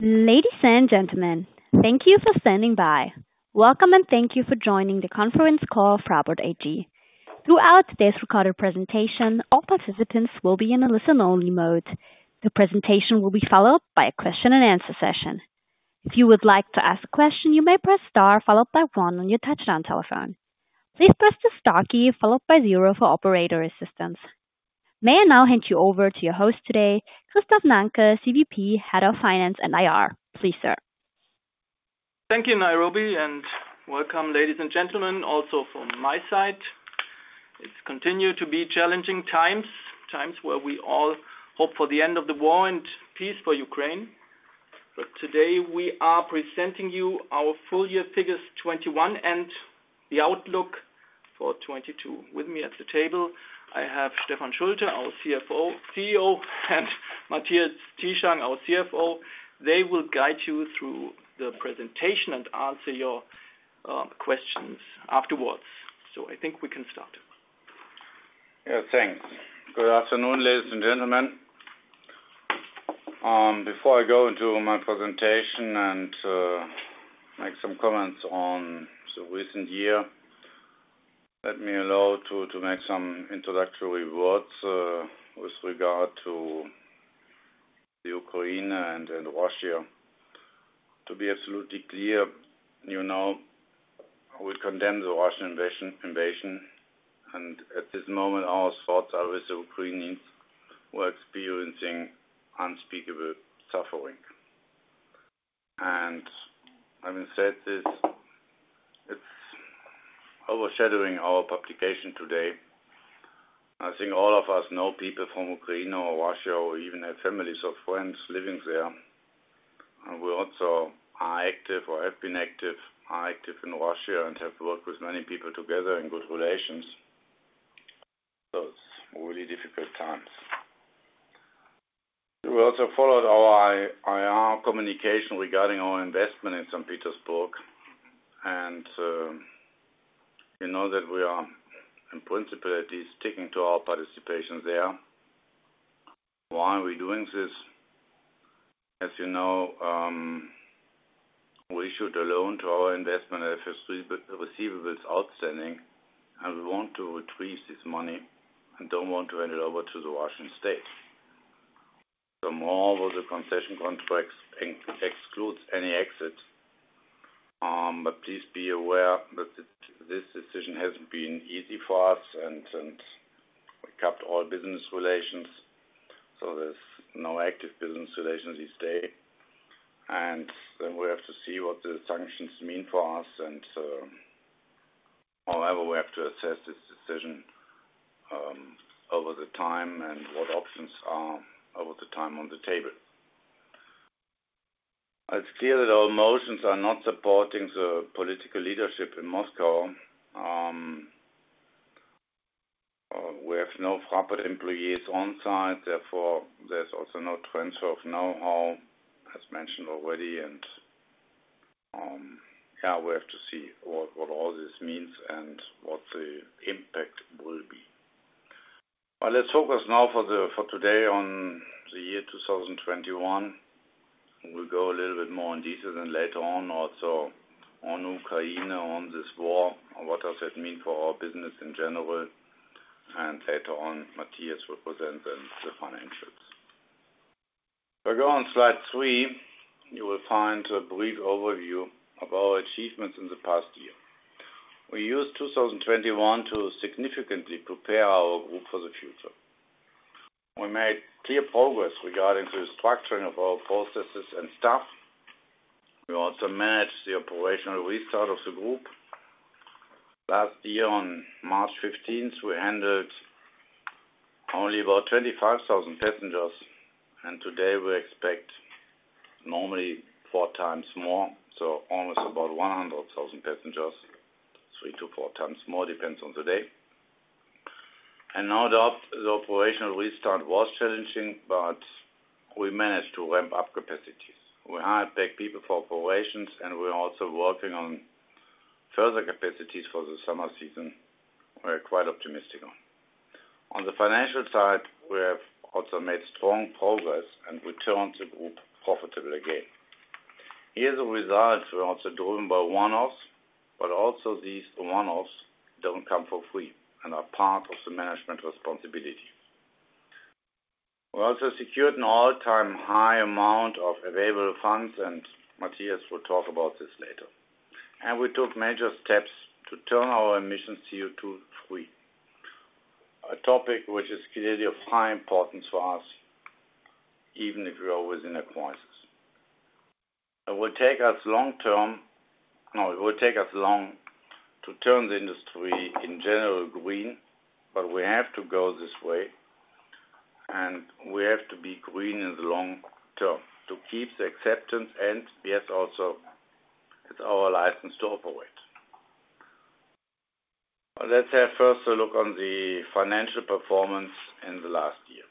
Ladies and gentlemen, thank you for standing by. Welcome, and thank you for joining the Conference Call of Fraport AG. Throughout today's recorded presentation, all participants will be in a listen-only mode. The presentation will be followed by a question-and-answer session. If you would like to ask a question, you may press star followed by 1 on your touchtone telephone. Please press the star key followed by 0 for operator assistance. May I now hand you over to your host today, Christoph Nanke, SVP, Head of Finance and IR. Please, sir. Thank you, Operator, and welcome, ladies and gentlemen. Also from my side. It has continued to be challenging times where we all hope for the end of the war and peace for Ukraine. Today we are presenting you our full year figures 2021 and the outlook for 2022. With me at the table, I have Stefan Schulte, our CEO, and Matthias Zieschang, our CFO. They will guide you through the presentation and answer your questions afterwards. I think we can start. Yeah, thanks. Good afternoon, ladies and gentlemen. Before I go into my presentation and make some comments on the recent year, let me make some introductory words with regard to the Ukraine and Russia. To be absolutely clear, you know, we condemn the Russian invasion and at this moment, our thoughts are with the Ukrainians who are experiencing unspeakable suffering. Having said this, it's overshadowing our publication today. I think all of us know people from Ukraine or Russia or even have families or friends living there. We also are active or have been active in Russia and have worked with many people together in good relations. It's really difficult times. You also followed our IR communication regarding our investment in St. Petersburg. Petersburg, and you know that we are in principle at least sticking to our participation there. Why are we doing this? As you know, we issued a loan to our investment FSU with the receivables outstanding, and we want to retrieve this money and don't want to hand it over to the Russian state. The terms of the concession contracts excludes any exits. But please be aware that this decision hasn't been easy for us and we cut all business relations, so there's no active business relations these days. Then we have to see what the sanctions mean for us. However, we have to assess this decision over the time and what options are over the time on the table. It's clear that our emotions are not supporting the political leadership in Moscow. We have no proper employees on site, therefore there's also no transfer of know-how, as mentioned already. We have to see what all this means and what the impact will be. Let's focus now for today on the year 2021. We'll go a little bit more in detail and later on also on Ukraine, on this war and what does it mean for our business in general. Later on, Matthias will present then the financials. If I go on slide three, you will find a brief overview of our achievements in the past year. We used 2021 to significantly prepare our group for the future. We made clear progress regarding the structuring of our processes and staff. We also managed the operational restart of the group. Last year on March 15, we handled only about 25,000 passengers, and today we expect normally 4 times more, so almost about 100,000 passengers. 3-4x more, depends on the day. No doubt the operational restart was challenging, but we managed to ramp up capacities. We hired back people for operations, and we're also working on further capacities for the summer season we're quite optimistic on. On the financial side, we have also made strong progress and returned the group profitable again. Here the results were also driven by one-offs, but also these one-offs don't come for free and are part of the management responsibility. We also secured an all-time high amount of available funds, and Matthias will talk about this later. We took major steps to turn our emissions CO₂ free, a topic which is clearly of high importance for us, even if we are within the quizzes. It will take us long to turn the industry in general green, but we have to go this way and we have to be green in the long term to keep the acceptance and yet also it's our license to operate. Let's have first a look on the financial performance in the last year.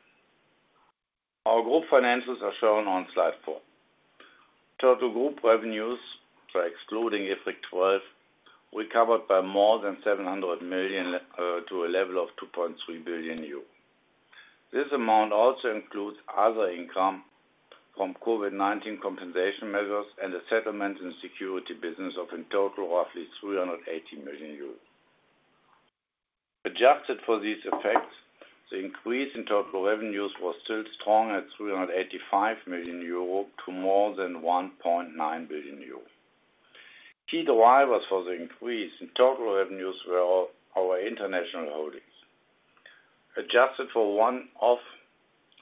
Our group financials are shown on slide 4. Total group revenues by excluding IFRIC 12 recovered by more than 700 million to a level of 2.3 billion euro. This amount also includes other income from COVID-19 compensation measures and the settlement and security business of in total roughly 380 million euros. Adjusted for these effects, the increase in total revenues was still strong at 385 million euro to more than 1.9 billion euro. Key drivers for the increase in total revenues were our international holdings. Adjusted for one-off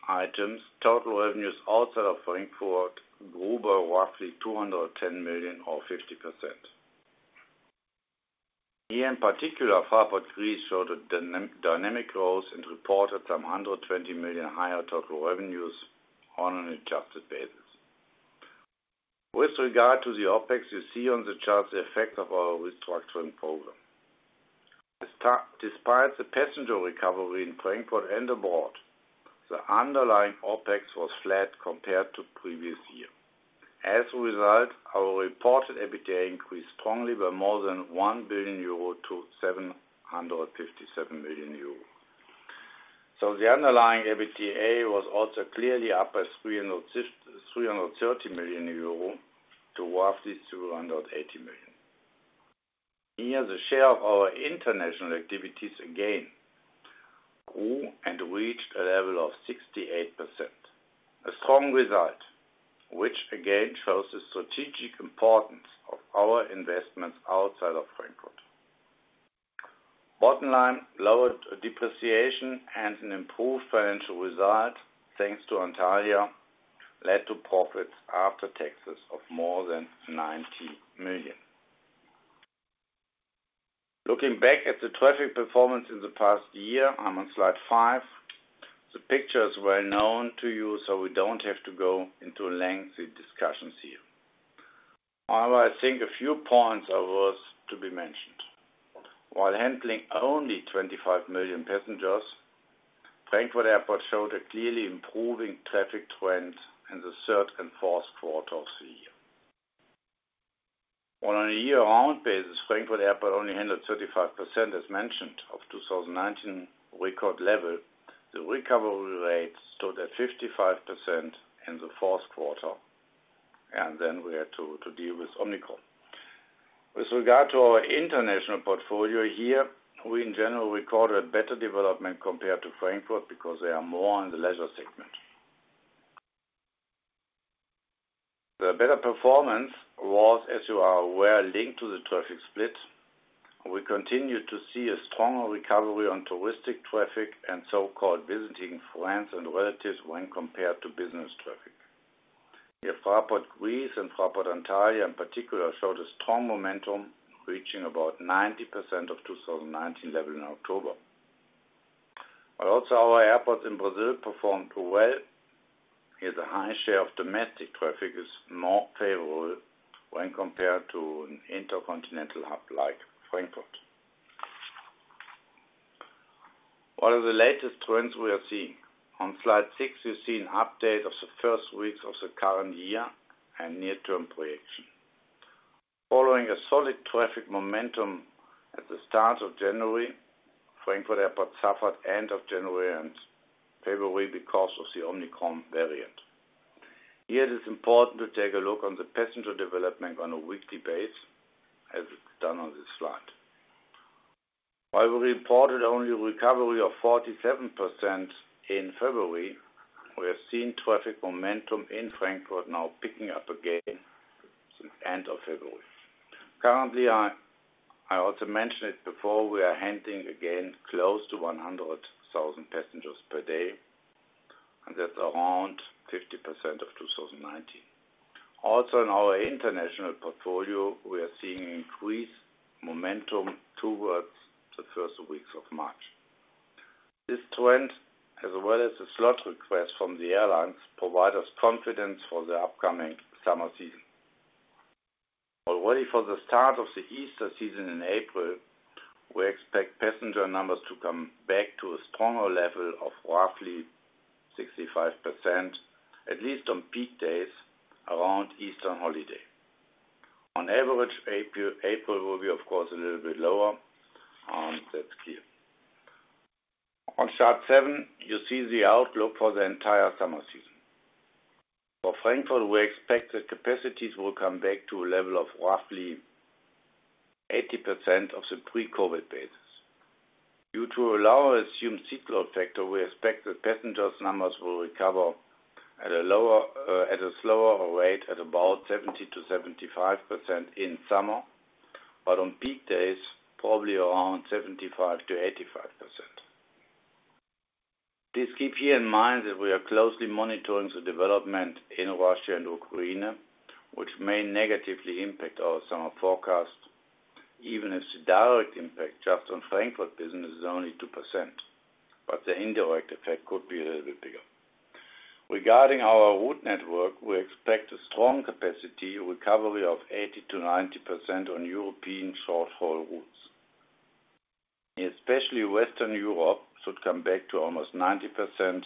items, total revenues outside of Frankfurt grew by roughly EUR 210 million or 50%. Here, in particular, Fraport Greece showed a dynamic growth and reported some 120 million higher total revenues on an adjusted basis. With regard to the OpEx, you see on the chart the effect of our restructuring program. Despite the passenger recovery in Frankfurt and abroad, the underlying OpEx was flat compared to previous year. As a result, our reported EBITDA increased strongly by more than 1 billion euro to 757 million euro. The underlying EBITDA was also clearly up by 330 million euro to roughly 280 million. Here, the share of our international activities again grew and reached a level of 68%. A strong result, which again shows the strategic importance of our investments outside of Frankfurt. Bottom line, lowered depreciation and an improved financial result, thanks to Antalya, led to profits after taxes of more than 90 million. Looking back at the traffic performance in the past year, I'm on slide 5. The pictures were known to you, so we don't have to go into lengthy discussions here. However, I think a few points are worth to be mentioned. While handling only 25 million passengers, Frankfurt Airport showed a clearly improving traffic trend in the third and fourth quarter of the year. On a year-round basis, Frankfurt Airport only handled 35%, as mentioned, of 2019 record level. The recovery rates stood at 55% in the fourth quarter, and then we had to deal with Omicron. With regard to our international portfolio here, we in general recorded better development compared to Frankfurt because they are more on the leisure segment. The better performance was, as you are aware, linked to the traffic split. We continue to see a stronger recovery on touristic traffic and so-called visiting friends and relatives when compared to business traffic. Here, Fraport Greece and Fraport Antalya in particular showed a strong momentum, reaching about 90% of 2019 level in October. Also our airports in Brazil performed well. Here, the high share of domestic traffic is more favorable when compared to an intercontinental hub like Frankfurt. What are the latest trends we are seeing? On slide 6, you see an update of the first weeks of the current year and near-term projection. Following a solid traffic momentum at the start of January, Frankfurt Airport suffered end of January and February because of the Omicron variant. Here, it is important to take a look on the passenger development on a weekly basis, as it's done on this slide. While we reported only recovery of 47% in February, we have seen traffic momentum in Frankfurt now picking up again since end of February. Currently, I also mentioned it before, we are handling again close to 100,000 passengers per day, and that's around 50% of 2019. Also in our international portfolio, we are seeing increased momentum towards the first weeks of March. This trend, as well as the slot request from the airlines, provide us confidence for the upcoming summer season. Already for the start of the Easter season in April, we expect passenger numbers to come back to a stronger level of roughly 65%, at least on peak days around Easter holiday. On average, April will be, of course, a little bit lower, that's clear. On chart 7, you see the outlook for the entire summer season. For Frankfurt, we expect the capacities will come back to a level of roughly 80% of the pre-COVID basis. Due to a lower assumed seat load factor, we expect the passenger numbers will recover at a lower, at a slower rate at about 70%-75% in summer, but on peak days, probably around 75%-85%. Please keep here in mind that we are closely monitoring the development in Russia and Ukraine, which may negatively impact our summer forecast, even as the direct impact just on Frankfurt business is only 2%, but the indirect effect could be a little bit bigger. Regarding our route network, we expect a strong capacity recovery of 80%-90% on European short-haul routes. Especially Western Europe should come back to almost 90%,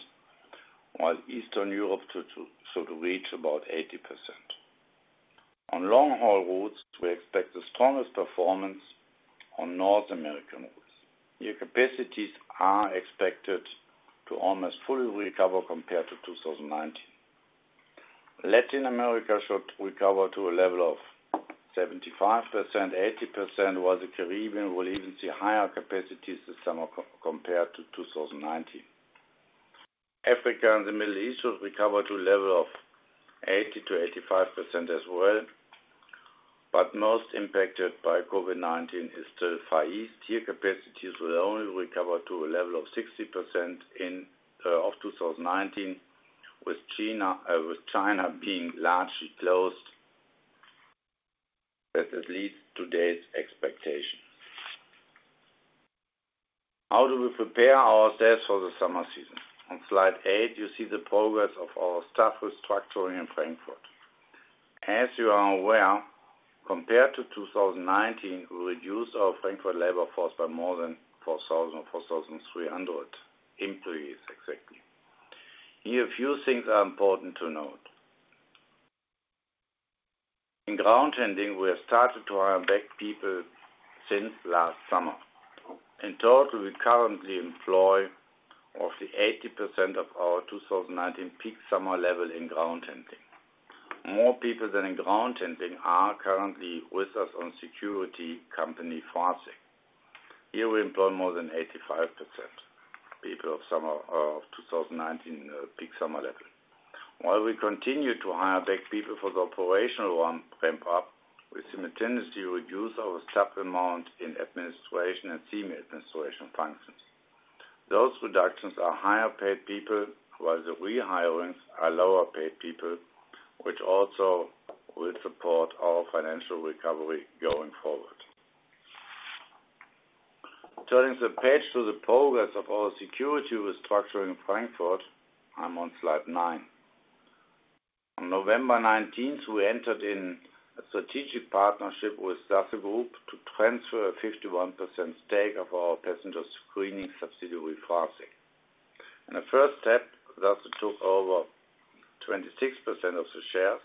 while Eastern Europe to, should reach about 80%. On long-haul routes, we expect the strongest performance on North American routes. New capacities are expected to almost fully recover compared to 2019. Latin America should recover to a level of 75%-80%, while the Caribbean will even see higher capacities this summer compared to 2019. Africa and the Middle East will recover to a level of 80%-85% as well. Most impacted by COVID-19 is the Far East. Here, capacities will only recover to a level of 60% of 2019, with China being largely closed. That's at least today's expectation. How do we prepare ourselves for the summer season? On slide 8, you see the progress of our staff restructuring in Frankfurt. As you are aware, compared to 2019, we reduced our Frankfurt labor force by more than 4,300 employees exactly. Here, a few things are important to note. In ground handling, we have started to hire back people since last summer. In total, we currently employ roughly 80% of our 2019 peak summer level in ground handling. More people than in ground handling are currently with us in security company, FraSec. Here, we employ more than 85% people of summer of 2019 peak summer level. While we continue to hire back people for the operational ramp up, we simultaneously reduce our staff amount in administration and senior administration functions. Those reductions are higher paid people, while the rehirings are lower paid people, which also will support our financial recovery going forward. Turning the page to the progress of our security restructuring in Frankfurt, I'm on slide 9. On November 19, we entered into a strategic partnership with Sasse Group to transfer a 51% stake of our passenger screening subsidiary, FraSec. In the first step, Sasse took over 26% of the shares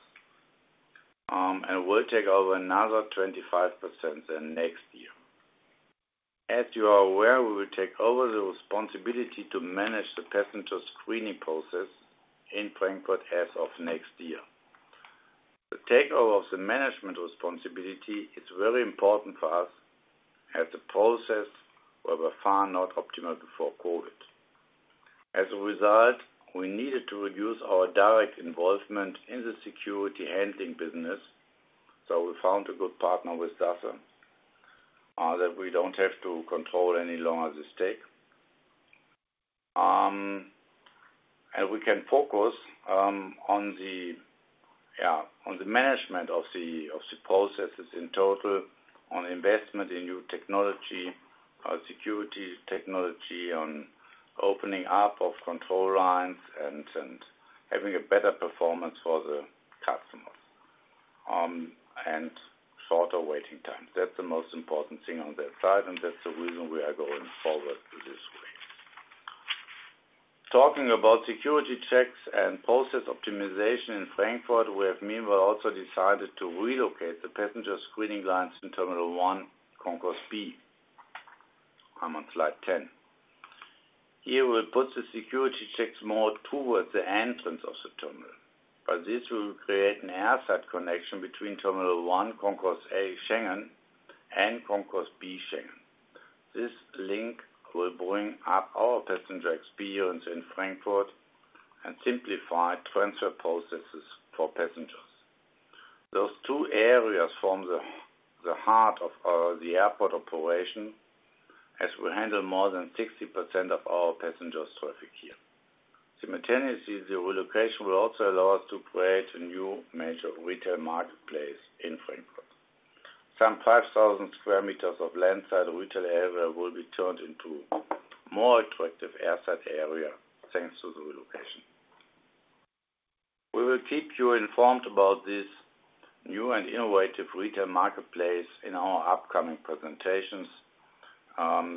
and will take over another 25% then next year. As you are aware, we will take over the responsibility to manage the passenger screening process in Frankfurt as of next year. The takeover of the management responsibility is very important for us as the process was by far not optimal before COVID. As a result, we needed to reduce our direct involvement in the security handling business, so we found a good partner with Sasse that we don't have to control any longer the stake. We can focus on the management of the processes in total, on investment in new technology, security technology, on opening up of control lines and having a better performance for the customers, and shorter waiting time. That's the most important thing on that side, and that's the reason we are going forward through this way. Talking about security checks and process optimization in Frankfurt, we have meanwhile also decided to relocate the passenger screening lines in Terminal 1, Concourse B. I'm on slide 10. Here, we'll put the security checks more towards the entrance of the terminal, but this will create an airside connection between Terminal 1, Concourse A Schengen and Concourse B Schengen. This link will bring up our passenger experience in Frankfurt and simplify transfer processes for passengers. Those two areas form the heart of the airport operation, as we handle more than 60% of our passenger traffic here. Simultaneously, the relocation will also allow us to create a new major retail marketplace in Frankfurt. Some 5,000 sq m of landside retail area will be turned into more attractive airside area, thanks to the relocation. We will keep you informed about this new and innovative retail marketplace in our upcoming presentations.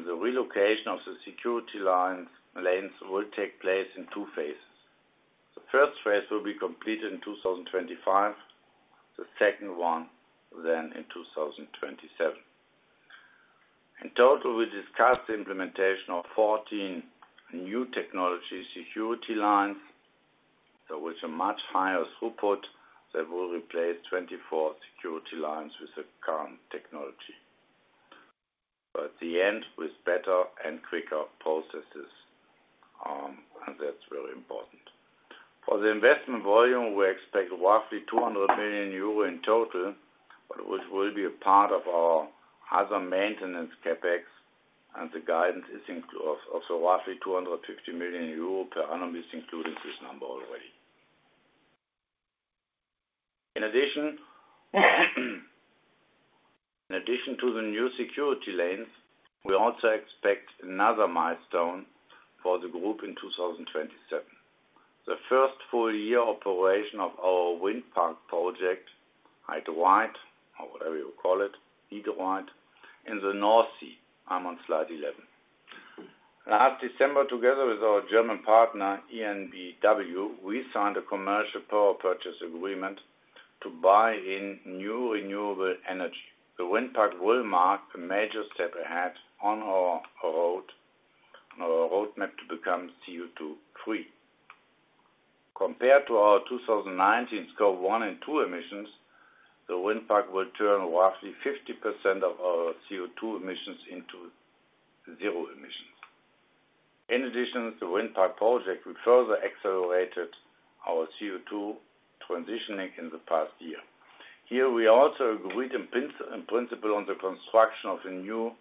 The relocation of the security lines, lanes will take place in two phases. The first phase will be completed in 2025, the second one then in 2027. In total, we discussed the implementation of 14 new technology security lines. With a much higher throughput that will replace 24 security lines with the current technology. At the end, with better and quicker processes, and that's really important. For the investment volume, we expect roughly 200 million euro in total, which will be a part of our other maintenance CapEx, and the guidance is so roughly 250 million euro per annum is included in this number already. In addition to the new security lanes, we also expect another milestone for the group in 2027. The first full year operation of our wind park project, He Dreiht, or whatever you call it, in the North Sea. I'm on slide 11. Last December, together with our German partner, EnBW, we signed a commercial power purchase agreement to buy in new renewable energy. The wind park will mark a major step ahead on our roadmap to become CO₂ free. Compared to our 2019 Scope 1 and 2 emissions, the wind park will turn roughly 50% of our CO₂ emissions into zero emissions. In addition to the wind park project, we further accelerated our CO₂ transitioning in the past year. Here, we also agreed in principle on the construction of a new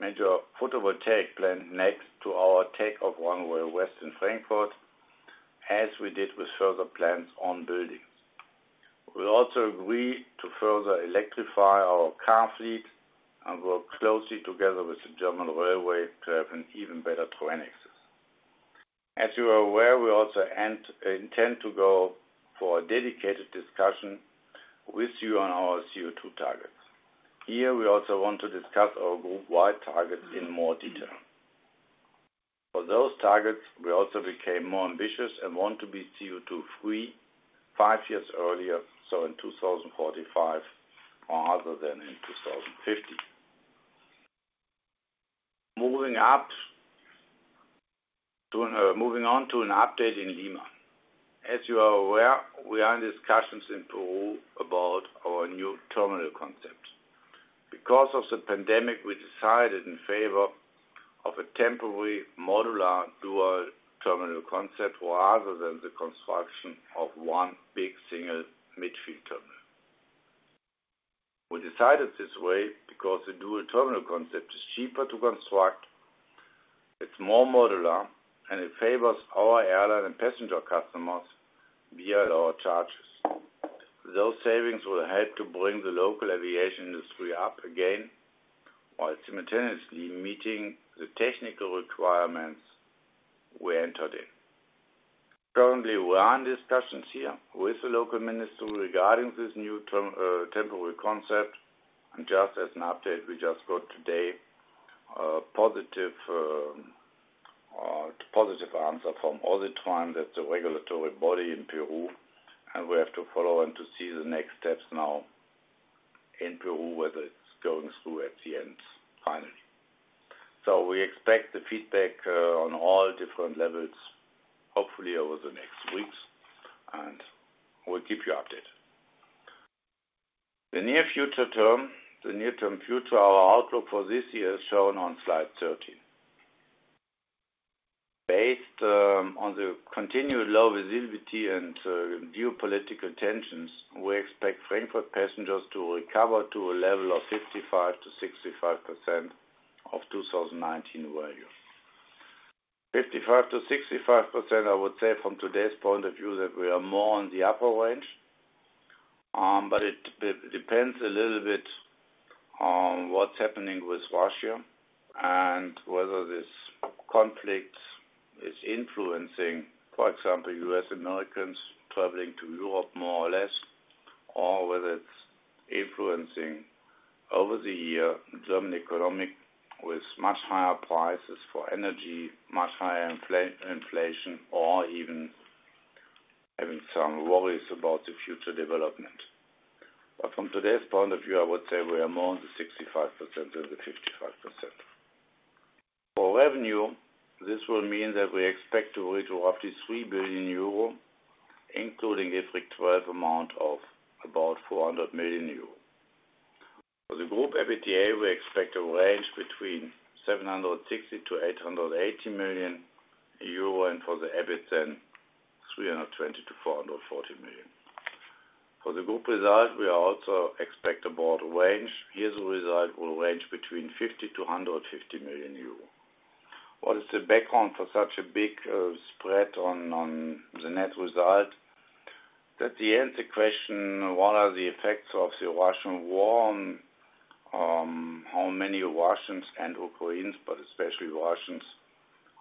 major photovoltaic plant next to our take-off runway west in Frankfurt, as we did with further plans on buildings. We also agreed to further electrify our car fleet and work closely together with the German railway to have an even better train access. As you are aware, we also intend to go for a dedicated discussion with you on our CO₂ targets. Here, we also want to discuss our group wide targets in more detail. For those targets, we also became more ambitious and want to be CO₂ free five years earlier, so in 2045 rather than in 2050. Moving on to an update in Lima. As you are aware, we are in discussions in Peru about our new terminal concept. Because of the pandemic, we decided in favor of a temporary modular dual terminal concept rather than the construction of one big single midfield terminal. We decided this way because the dual terminal concept is cheaper to construct, it's more modular, and it favors our airline and passenger customers via lower charges. Those savings will help to bring the local aviation industry up again while simultaneously meeting the technical requirements we entered in. Currently, we are in discussions here with the local minister regarding this new temporary concept, and just as an update, we just got today positive answer from OSITRAN, that's a regulatory body in Peru, and we have to wait and see the next steps now in Peru, whether it's going through at the end finally. We expect the feedback on all different levels, hopefully over the next weeks, and we'll keep you updated. The near-term future, our outlook for this year is shown on slide 13. Based on the continued low visibility and geopolitical tensions, we expect Frankfurt passengers to recover to a level of 55%-65% of 2019 values. 55%-65%, I would say from today's point of view that we are more on the upper range, but it depends a little bit on what's happening with Russia and whether this conflict is influencing, for example, U.S. Americans traveling to Europe more or less, or whether it's influencing over the year German economic with much higher prices for energy, much higher inflation, or even having some worries about the future development. From today's point of view, I would say we are more on the 65% than the 55%. For revenue, this will mean that we expect to reach roughly 3 billion euro, including a freight revenue amount of about 400 million euro. For the group EBITDA, we expect a range between 760 million and 880 million euro, and for the EBIT, 320 million to 440 million. For the group result, we also expect a broad range. Here, the result will range between 50 million euros and 150 million euro. What is the background for such a big spread on the net result? That's the answer to the question, what are the effects of the Russian war on many Russians and Ukrainians, but especially Russians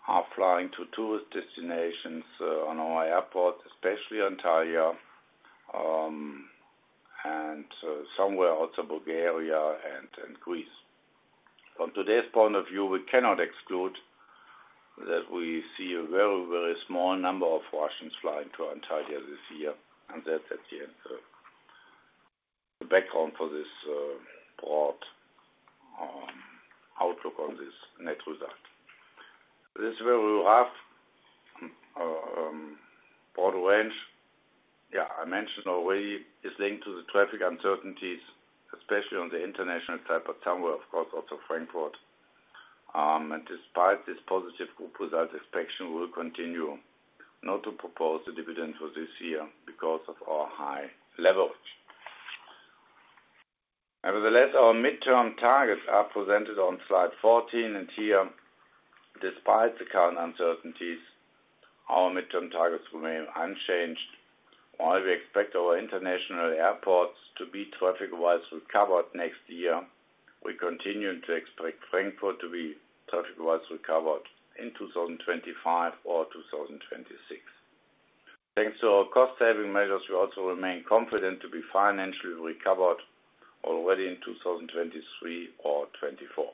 are flying to tourist destinations at our airports, especially Antalya, and somewhere also Bulgaria and Greece. From today's point of view, we cannot exclude that we see a very, very small number of Russians flying to Antalya this year, and that's, in the end, the background for this broad outlook on this net result. This very rough broad range, I mentioned already, is linked to the traffic uncertainties, especially on the international side, of course, also Frankfurt. Despite this positive group result, we will continue not to propose the dividend for this year because of our high leverage. Nevertheless, our midterm targets are presented on slide 14, and here, despite the current uncertainties, our midterm targets remain unchanged. While we expect our international airports to be traffic-wise recovered next year, we continue to expect Frankfurt to be traffic-wise recovered in 2025 or 2026. Thanks to our cost saving measures, we also remain confident to be financially recovered already in 2023 or 2024.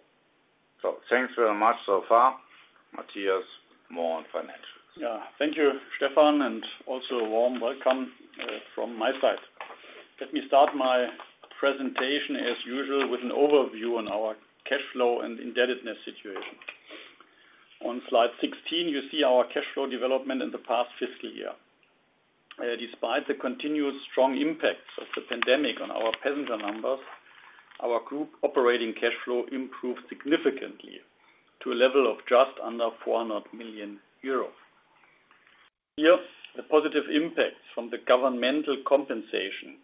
Thanks very much so far. Matthias, more on financials. Yeah. Thank you, Stefan, and also a warm welcome from my side. Let me start my presentation as usual with an overview on our cash flow and indebtedness situation. On slide 16, you see our cash flow development in the past fiscal year. Despite the continuous strong impacts of the pandemic on our passenger numbers, our group operating cash flow improved significantly to a level of just under 400 million euros. Here, the positive impacts from the governmental compensation,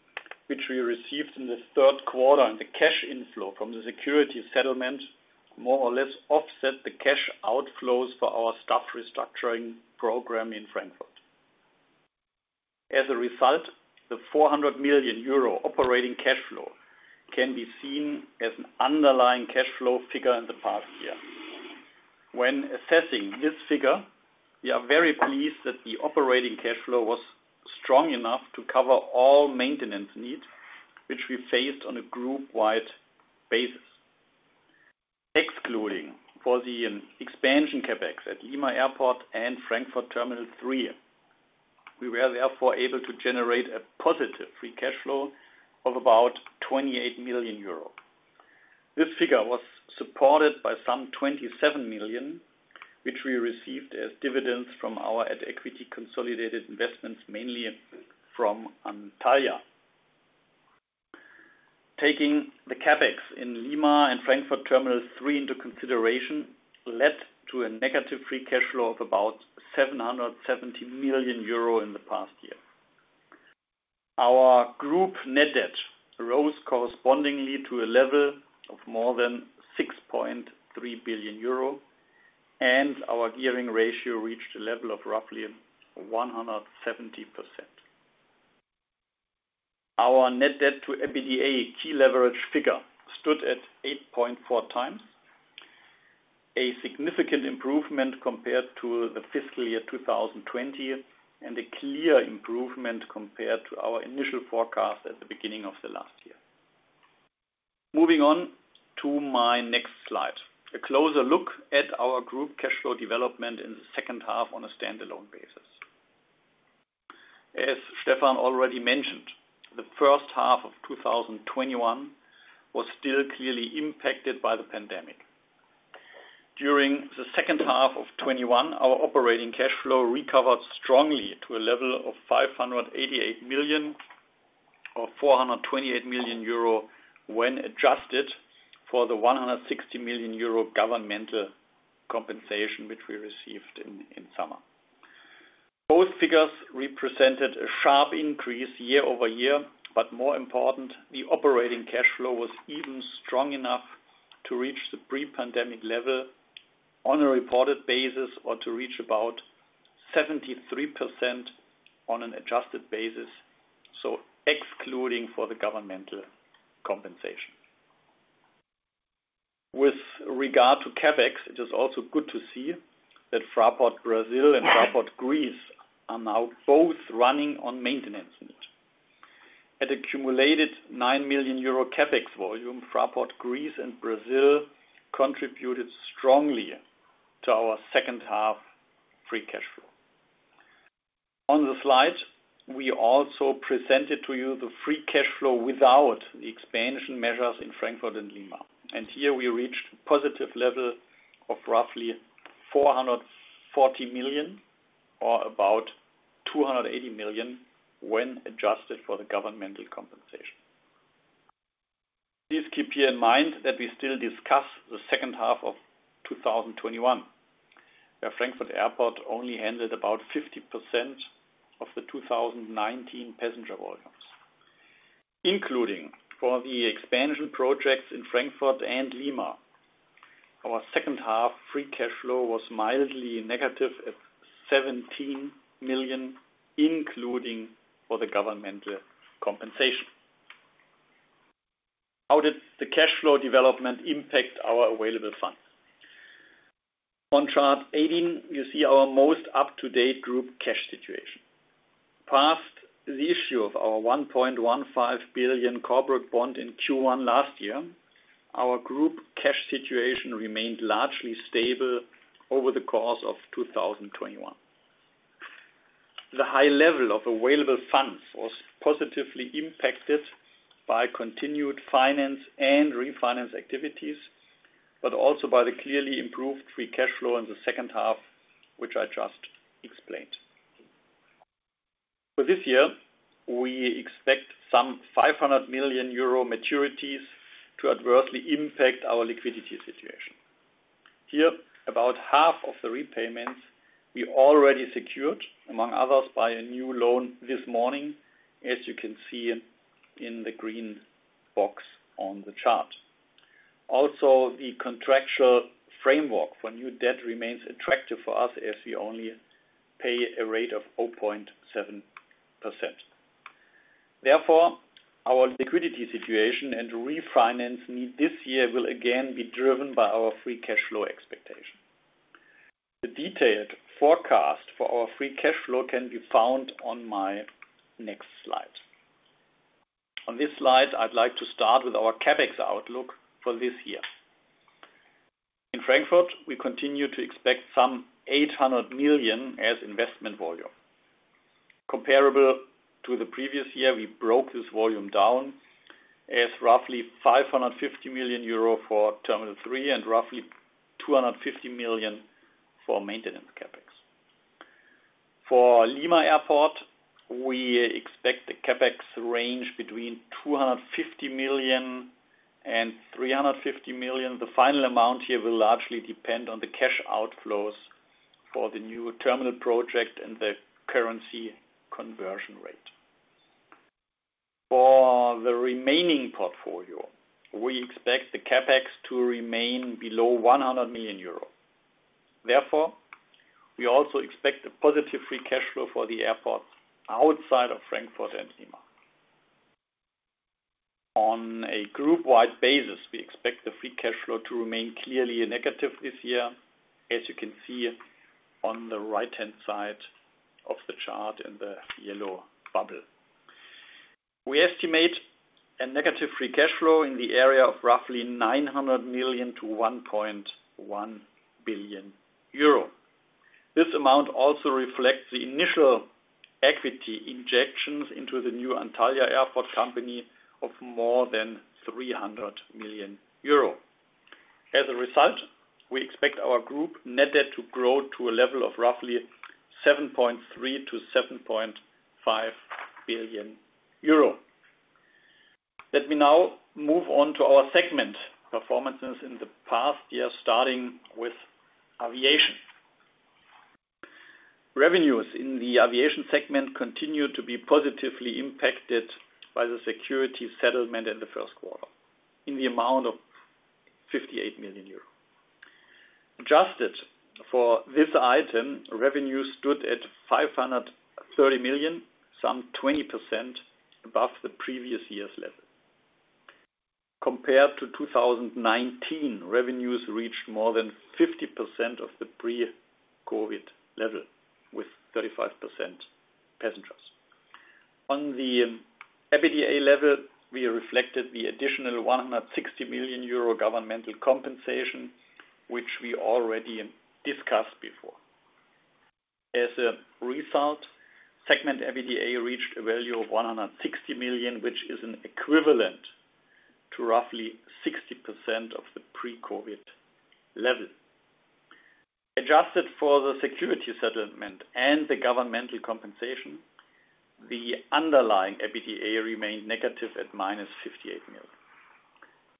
which we received in the third quarter, and the cash inflow from the security settlement more or less offset the cash outflows for our staff restructuring program in Frankfurt. As a result, the 400 million euro operating cash flow can be seen as an underlying cash flow figure in the past year. When assessing this figure, we are very pleased that the operating cash flow was strong enough to cover all maintenance needs, which we faced on a group-wide basis. Excluding the expansion CapEx at Lima Airport and Frankfurt Terminal 3, we were therefore able to generate a positive free cash flow of about 28 million euro. This figure was supported by some 27 million, which we received as dividends from our at equity consolidated investments, mainly from Antalya. Taking the CapEx in Lima and Frankfurt Terminal 3 into consideration led to a negative free cash flow of about 770 million euro in the past year. Our group net debt rose correspondingly to a level of more than 6.3 billion euro, and our gearing ratio reached a level of roughly 170%. Our net debt to EBITDA key leverage figure stood at 8.4 times, a significant improvement compared to the fiscal year 2020, and a clear improvement compared to our initial forecast at the beginning of the last year. Moving on to my next slide, a closer look at our group cash flow development in the second half on a stand-alone basis. As Stefan already mentioned, the first half of 2021 was still clearly impacted by the pandemic. During the second half of 2021, our operating cash flow recovered strongly to a level of 588 million or 428 million euro when adjusted for the 160 million euro governmental compensation, which we received in summer. Both figures represented a sharp increase year-over-year, but more important, the operating cash flow was even strong enough to reach the pre-pandemic level on a reported basis or to reach about 73% on an adjusted basis, so excluding the governmental compensation. With regard to CapEx, it is also good to see that Fraport Brasil and Fraport Greece are now both running on maintenance needs. At accumulated 9 million euro CapEx volume, Fraport Greece and Brazil contributed strongly to our second half free cash flow. On the slide, we also presented to you the free cash flow without the expansion measures in Frankfurt and Lima. Here, we reached a positive level of roughly 440 million or about 280 million when adjusted for the governmental compensation. Please keep here in mind that we still discuss the second half of 2021, where Frankfurt Airport only handled about 50% of the 2019 passenger volumes. Including for the expansion projects in Frankfurt and Lima, our second half free cash flow was mildly negative at 17 million, including for the governmental compensation. How did the cash flow development impact our available funds? On chart 18, you see our most up-to-date group cash situation. Past the issue of our 1.15 billion corporate bond in Q1 last year, our group cash situation remained largely stable over the course of 2021. The high level of available funds was positively impacted by continued finance and refinance activities, but also by the clearly improved free cash flow in the second half, which I just explained. For this year, we expect some 500 million euro maturities to adversely impact our liquidity situation. Here, about half of the repayments we already secured, among others, by a new loan this morning, as you can see in the green box on the chart. Also, the contractual framework for new debt remains attractive for us as we only pay a rate of 0.7%. Therefore, our liquidity situation and refinance need this year will again be driven by our free cash flow expectation. The detailed forecast for our free cash flow can be found on my next slide. On this slide, I'd like to start with our CapEx outlook for this year. In Frankfurt, we continue to expect some 800 million as investment volume. Comparable to the previous year, we broke this volume down as roughly 550 million euro for Terminal 3 and roughly 250 million for maintenance CapEx. For Lima Airport, we expect the CapEx range between 250 million and 350 million. The final amount here will largely depend on the cash outflows for the new terminal project and the currency conversion rate. For the remaining portfolio, we expect the CapEx to remain below 100 million euro. Therefore, we also expect a positive free cash flow for the airport outside of Frankfurt and Lima. On a group-wide basis, we expect the free cash flow to remain clearly negative this year, as you can see on the right-hand side of the chart in the yellow bubble. We estimate a negative free cash flow in the area of roughly 900 million-1.1 billion euro. This amount also reflects the initial equity injections into the new Antalya Airport company of more than 300 million euro. As a result, we expect our group net debt to grow to a level of roughly 7.3 billion-7.5 billion euro. Let me now move on to our segment performances in the past year, starting with aviation. Revenues in the aviation segment continued to be positively impacted by the security settlement in the first quarter in the amount of 58 million euro. Adjusted for this item, revenue stood at 530 million, some 20% above the previous year's level. Compared to 2019, revenues reached more than 50% of the pre-COVID level, with 35% passengers. On the EBITDA level, we reflected the additional 160 million euro governmental compensation, which we already discussed before. As a result, Segment EBITDA reached a value of 160 million, which is an equivalent to roughly 60% of the pre-COVID level. Adjusted for the security settlement and the governmental compensation, the underlying EBITDA remained negative at -58 million.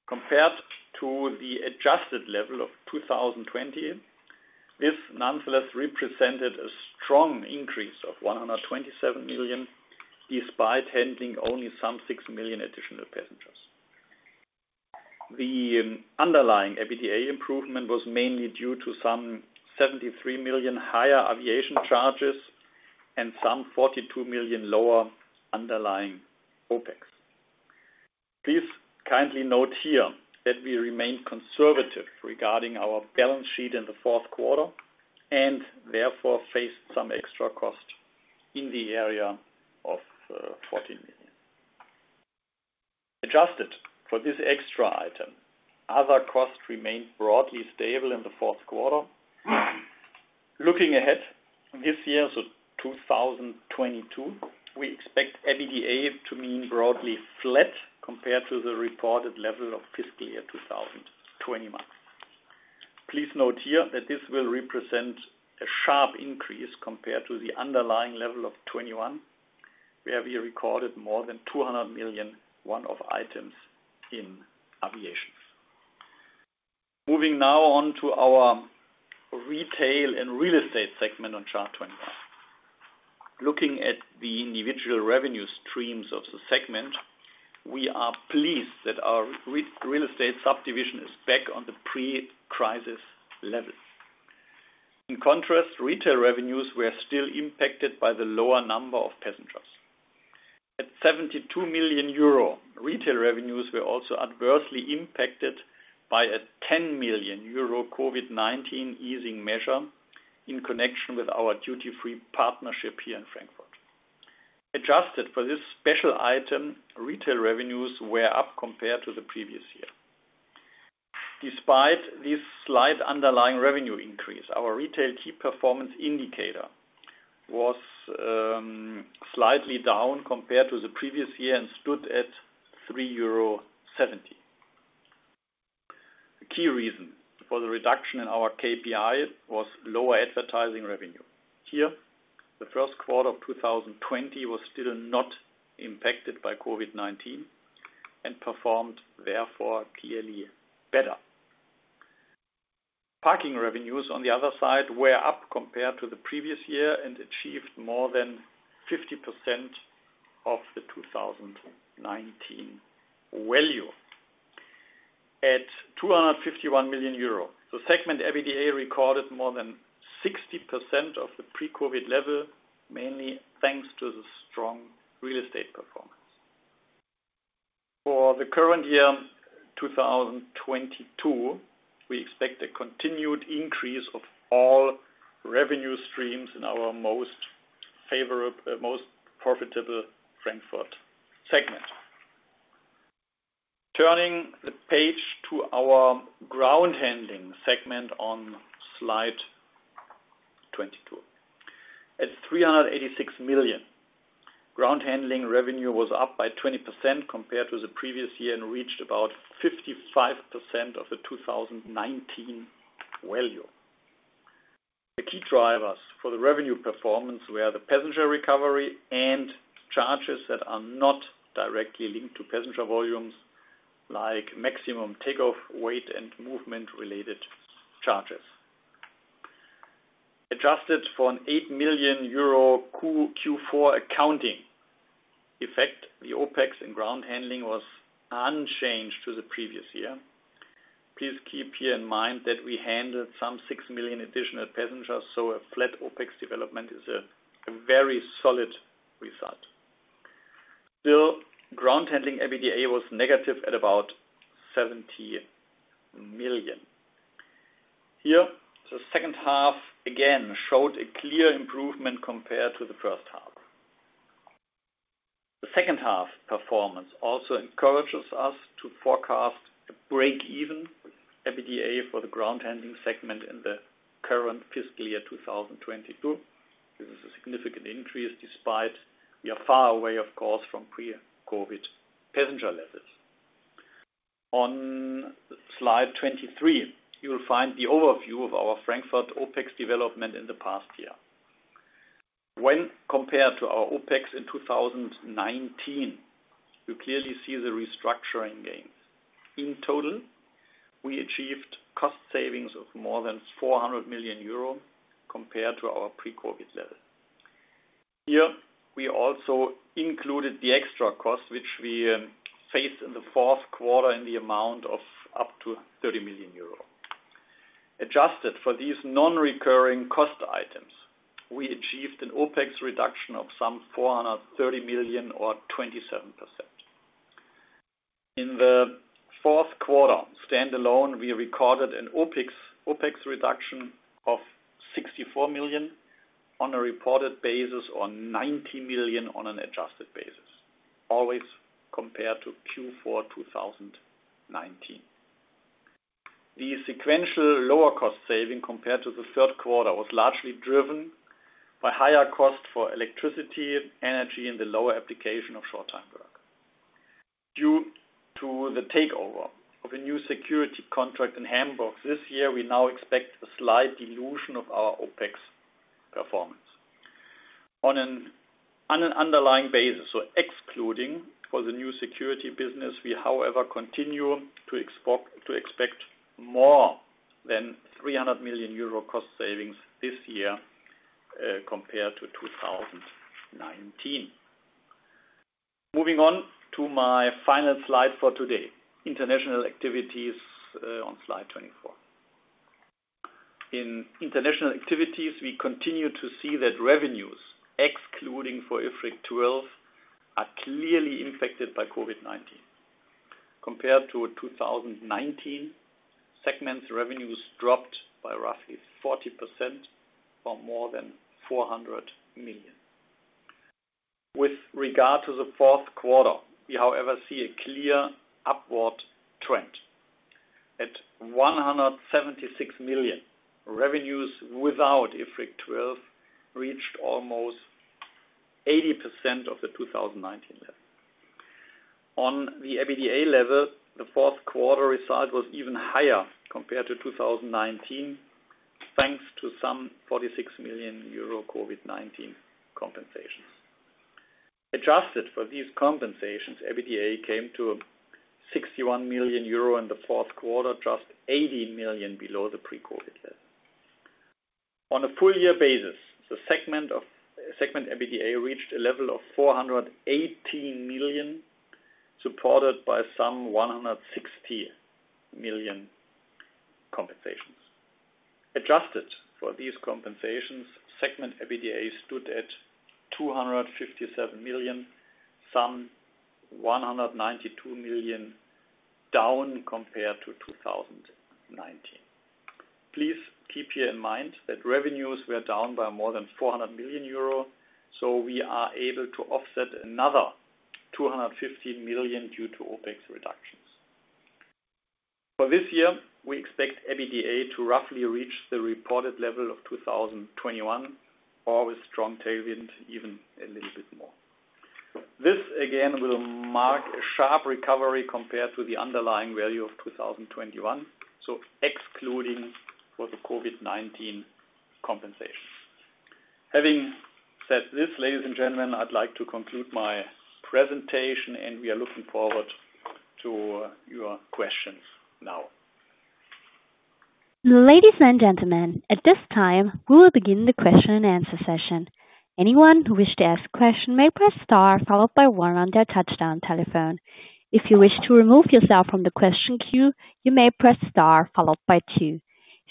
Compared to the adjusted level of 2020, this nonetheless represented a strong increase of 127 million, despite handling only some 6 million additional passengers. The underlying EBITDA improvement was mainly due to some 73 million higher aviation charges and some 42 million lower underlying OpEx. Please kindly note here that we remain conservative regarding our balance sheet in the fourth quarter and therefore, faced some extra cost in the area of 14 million. Adjusted for this extra item, other costs remained broadly stable in the fourth quarter. Looking ahead this year, 2022, we expect EBITDA to remain broadly flat compared to the reported level of fiscal year 2021. Please note here that this will represent a sharp increase compared to the underlying level of 2021, where we recorded more than 200 million one-off items in aviation. Moving now on to our Retail and Real Estate segment on chart 21. Looking at the individual revenue streams of the segment, we are pleased that our real estate subdivision is back on the pre-crisis level. In contrast, retail revenues were still impacted by the lower number of passengers. At 72 million euro, retail revenues were also adversely impacted by a 10 million euro COVID-19 easing measure in connection with our duty-free partnership here in Frankfurt. Adjusted for this special item, retail revenues were up compared to the previous year. Despite this slight underlying revenue increase, our retail key performance indicator was slightly down compared to the previous year and stood at €3.70. The key reason for the reduction in our KPI was lower advertising revenue. Here, the first quarter of 2020 was still not impacted by COVID-19 and performed therefore clearly better. Parking revenues on the other side were up compared to the previous year and achieved more than 50% of the 2019 value at 251 million euro. The Segment EBITDA recorded more than 60% of the pre-COVID level, mainly thanks to the strong real estate performance. For the current year, 2022, we expect a continued increase of all revenue streams in our most favorable, most profitable Frankfurt segment. Turning the page to our ground handling segment on slide 22. At 386 million, ground handling revenue was up by 20% compared to the previous year and reached about 55% of the 2019 value. The key drivers for the revenue performance were the passenger recovery and charges that are not directly linked to passenger volumes, like maximum takeoff weight and movement-related charges. Adjusted for a 8 million euro Q4 accounting effect, the OpEx in ground handling was unchanged to the previous year. Please keep here in mind that we handled some 6 million additional passengers, so a flat OpEx development is a very solid result. Still, ground handling EBITDA was negative at about 70 million. Here, the second half again showed a clear improvement compared to the first half. The second half performance also encourages us to forecast a break-even EBITDA for the ground handling segment in the current fiscal year 2022. This is a significant increase despite we are far away, of course, from pre-COVID passenger levels. On slide 23, you will find the overview of our Frankfurt OpEx development in the past year. When compared to our OpEx in 2019, you clearly see the restructuring gains. In total, we achieved cost savings of more than 400 million euro compared to our pre-COVID level. Here, we also included the extra cost, which we faced in the fourth quarter in the amount of up to 30 million euro. Adjusted for these non-recurring cost items, we achieved an OpEx reduction of some 430 million or 27%. In the fourth quarter standalone, we recorded an OpEx reduction of 64 million on a reported basis or 90 million on an adjusted basis, always compared to Q4 2019. The sequential lower cost saving compared to the third quarter was largely driven by higher cost for electricity, energy, and the lower application of short-time work. Due to the takeover of a new security contract in Hamburg this year, we now expect a slight dilution of our OpEx performance. On an underlying basis, so excluding for the new security business, we, however, continue to expect more than 300 million euro cost savings this year, compared to 2019. Moving on to my final slide for today, international activities, on slide 24. In international activities, we continue to see that revenues, excluding for IFRIC 12, are clearly impacted by COVID-19. Compared to 2019, segment's revenues dropped by roughly 40% or more than 400 million. With regard to the fourth quarter, we, however, see a clear upward trend. At 176 million, revenues without IFRIC 12 reached almost 80% of the 2019 level. On the EBITDA level, the fourth quarter result was even higher compared to 2019, thanks to some 46 million euro COVID-19 compensations. Adjusted for these compensations, EBITDA came to 61 million euro in the fourth quarter, just 80 million below the pre-COVID level. On a full year basis, Segment EBITDA reached a level of 418 million, supported by some 160 million compensations. Adjusted for these compensations, Segment EBITDA stood at 257 million, some 192 million down compared to 2019. Please keep here in mind that revenues were down by more than 400 million euro, so we are able to offset another 250 million due to OpEx reductions. For this year, we expect EBITDA to roughly reach the reported level of 2021 or with strong tailwind, even a little bit more. This again will mark a sharp recovery compared to the underlying value of 2021, so excluding for the COVID-19 compensation. Having said this, ladies and gentlemen, I'd like to conclude my presentation, and we are looking forward to your questions now. Ladies and gentlemen, at this time, we will begin the question-and-answer session. Anyone who wishes to ask a question may press star followed by 1 on their touch-tone telephone. If you wish to remove yourself from the question queue, you may press star followed by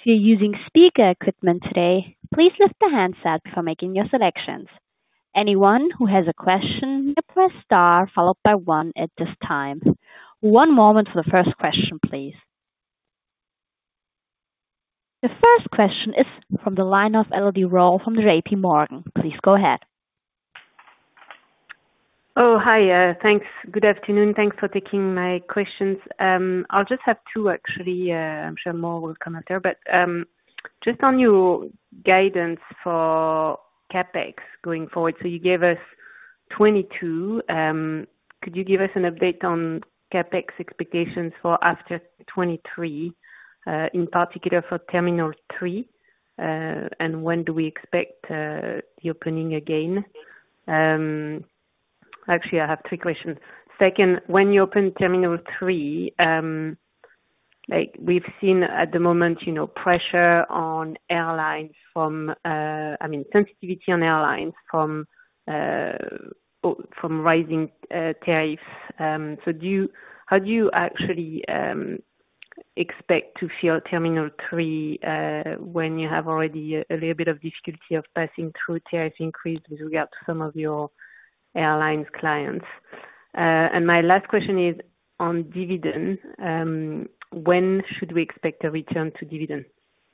2. If you're using speaker equipment today, please lift the handset before making your selections. Anyone who has a question may press star followed by 1 at this time. One moment for the first question, please. The first question is from the line of Elodie Rall from JPMorgan. Please go ahead. Oh, hi. Thanks. Good afternoon. Thanks for taking my questions. I'll just have two, actually. I'm sure more will come out there, but just on your guidance for CapEx going forward. You gave us 22. Could you give us an update on CapEx expectations for after 23, in particular for Terminal 3? And when do we expect the opening again? Actually, I have 3 questions. Second, when you open Terminal 3, like, we've seen at the moment, you know, pressure on airlines from, I mean, sensitivity on airlines from rising tariffs. Do you actually expect to fill Terminal 3, when you have already a little bit of difficulty of passing through tariff increase with regard to some of your airlines clients? And my last question is on dividend. When should we expect a return to dividend?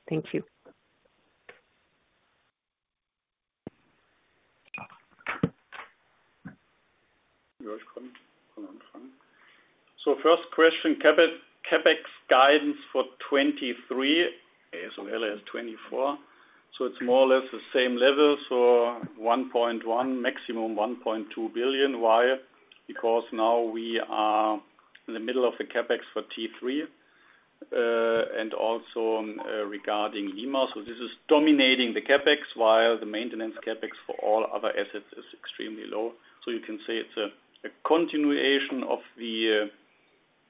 Thank you. First question, CapEx guidance for 2023 as well as 2024. It's more or less the same level. 1.1 billion, maximum 1.2 billion. Why? Because now we are in the middle of the CapEx for T3, and also regarding Lima. This is dominating the CapEx while the maintenance CapEx for all other assets is extremely low. You can say it's a continuation of the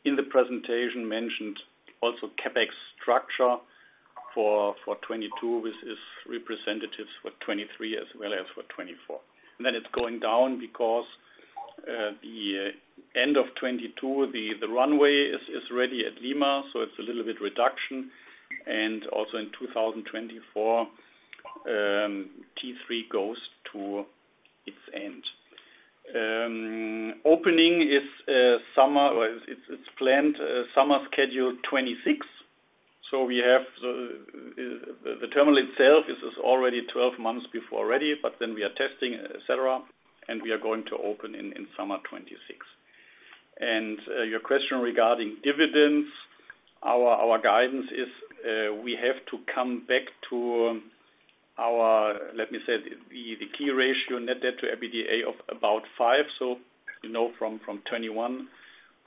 in the presentation mentioned also CapEx structure for 2022, which is representative for 2023 as well as for 2024. Then it's going down because the end of 2022, the runway is ready at Lima, so it's a little bit reduction. Also in 2024, T3 goes to its end. Opening is summer. It's planned summer schedule 2026. We have the terminal itself already 12 months before ready, but then we are testing, et cetera, and we are going to open in summer 2026. Your question regarding dividends, our guidance is we have to come back to our, let me say, the key ratio net debt to EBITDA of about 5. You know, from 2021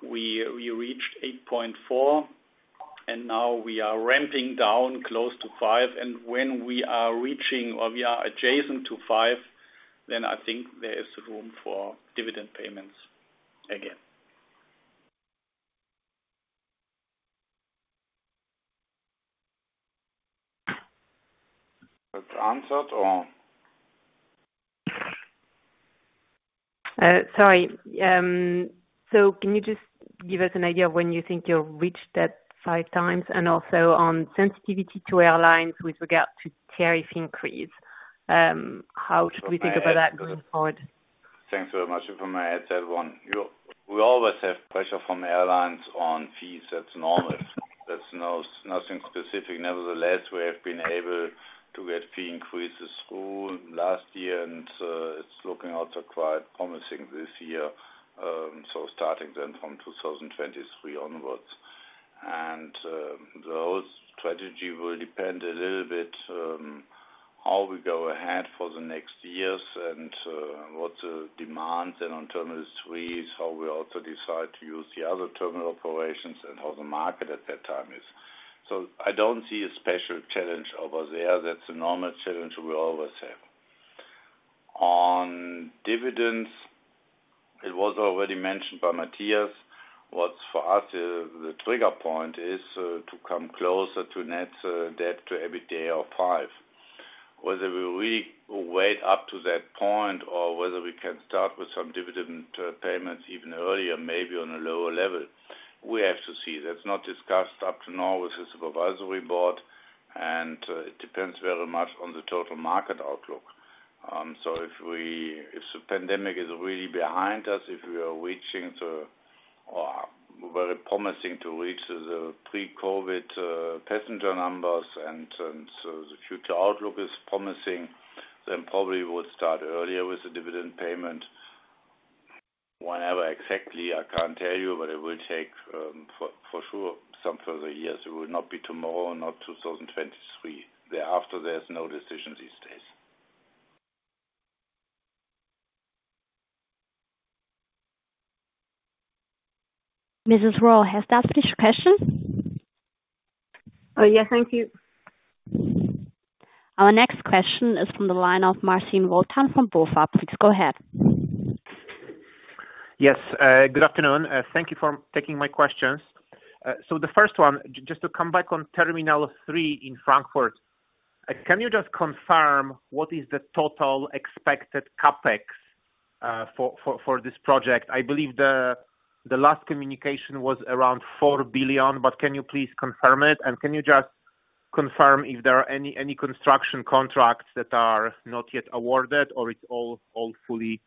we reached 8.4, and now we are ramping down close to 5. When we are reaching or we are adjacent to 5, then I think there is room for dividend payments again. That answered or? Can you just give us an idea of when you think you'll reach that 5x? Also, on sensitivity to airlines with regard to tariff increase, how should we think about that going forward? Thanks very much. If I may add to that one. We always have pressure from airlines on fees. That's normal. That's nothing specific. Nevertheless, we have been able to get fee increases through last year, and it's looking also quite promising this year. Starting then from 2023 onwards. The whole strategy will depend a little bit how we go ahead for the next years and what demands then on Terminal 3 is how we also decide to use the other terminal operations and how the market at that time is. I don't see a special challenge over there. That's a normal challenge we always have. On dividends, it was already mentioned by Matthias. What's for us the trigger point is to come closer to net debt to EBITDA of 5. Whether we really wait up to that point or whether we can start with some dividend payments even earlier, maybe on a lower level, we have to see. That's not discussed up to now with the supervisory board, and it depends very much on the total market outlook. If the pandemic is really behind us, if we are reaching to or very promising to reach the pre-COVID passenger numbers and so the future outlook is promising, then probably we'll start earlier with the dividend payment. Whenever exactly, I can't tell you, but it will take for sure some further years. It will not be tomorrow, not 2023. Thereafter, there's no decision these days. Mrs. Rall has that finished question? Oh, yeah. Thank you. Our next question is from the line of Marcin Wojtal from BofA. Please go ahead. Yes, good afternoon. Thank you for taking my questions. The first one, just to come back on Terminal 3 in Frankfurt. Can you just confirm what is the total expected CapEx for this project? I believe the last communication was around 4 billion, but can you please confirm it? Can you just confirm if there are any construction contracts that are not yet awarded or it's all fully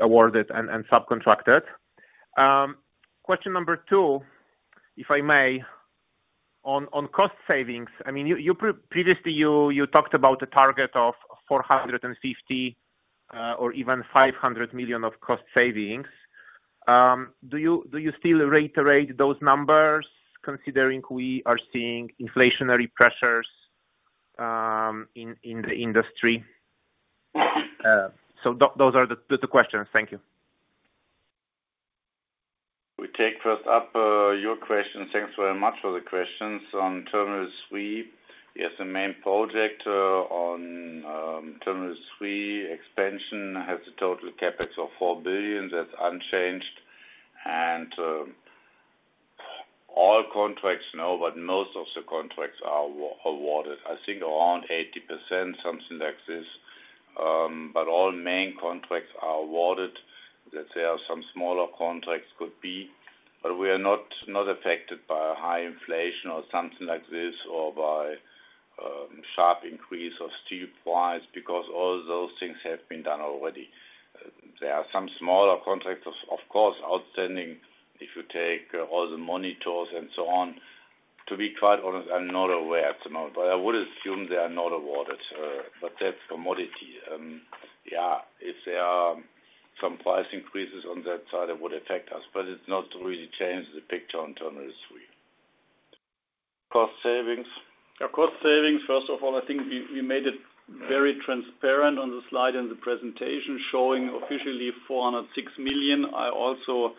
awarded and subcontracted? Question number two, if I may. On cost savings, I mean, you previously talked about a target of 450 million or even 500 million of cost savings. Do you still reiterate those numbers considering we are seeing inflationary pressures in the industry? Those are the questions. Thank you. We take first up your question. Thanks very much for the questions. On Terminal 3, yes, the main project on Terminal 3 expansion has a total CapEx of 4 billion. That's unchanged. All contracts, no, but most of the contracts are awarded. I think around 80%, something like this. But all main contracts are awarded. Let's say some smaller contracts could be, but we are not affected by a high inflation or something like this, or by sharp increase of steel price because all those things have been done already. There are some smaller contractors, of course, outstanding if you take all the monitors and so on. To be quite honest, I'm not aware at the moment, but I would assume they are not awarded. But that's commodity. Yeah, if there are some price increases on that side, it would affect us, but it's not to really change the picture on Terminal 3. Cost savings. Our cost savings, first of all, I think we made it very transparent on the slide in the presentation showing officially 406 million. I also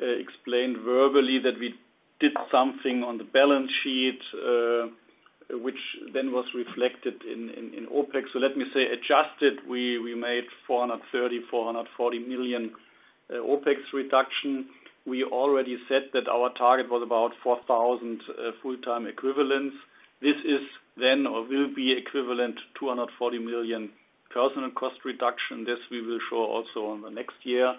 explained verbally that we did something on the balance sheet, which then was reflected in OpEx. Let me say adjusted, we made 430 million-440 million OpEx reduction. We already said that our target was about 4,000 full-time equivalents. This is then or will be equivalent to 240 million personnel cost reduction. This we will show also on the next year.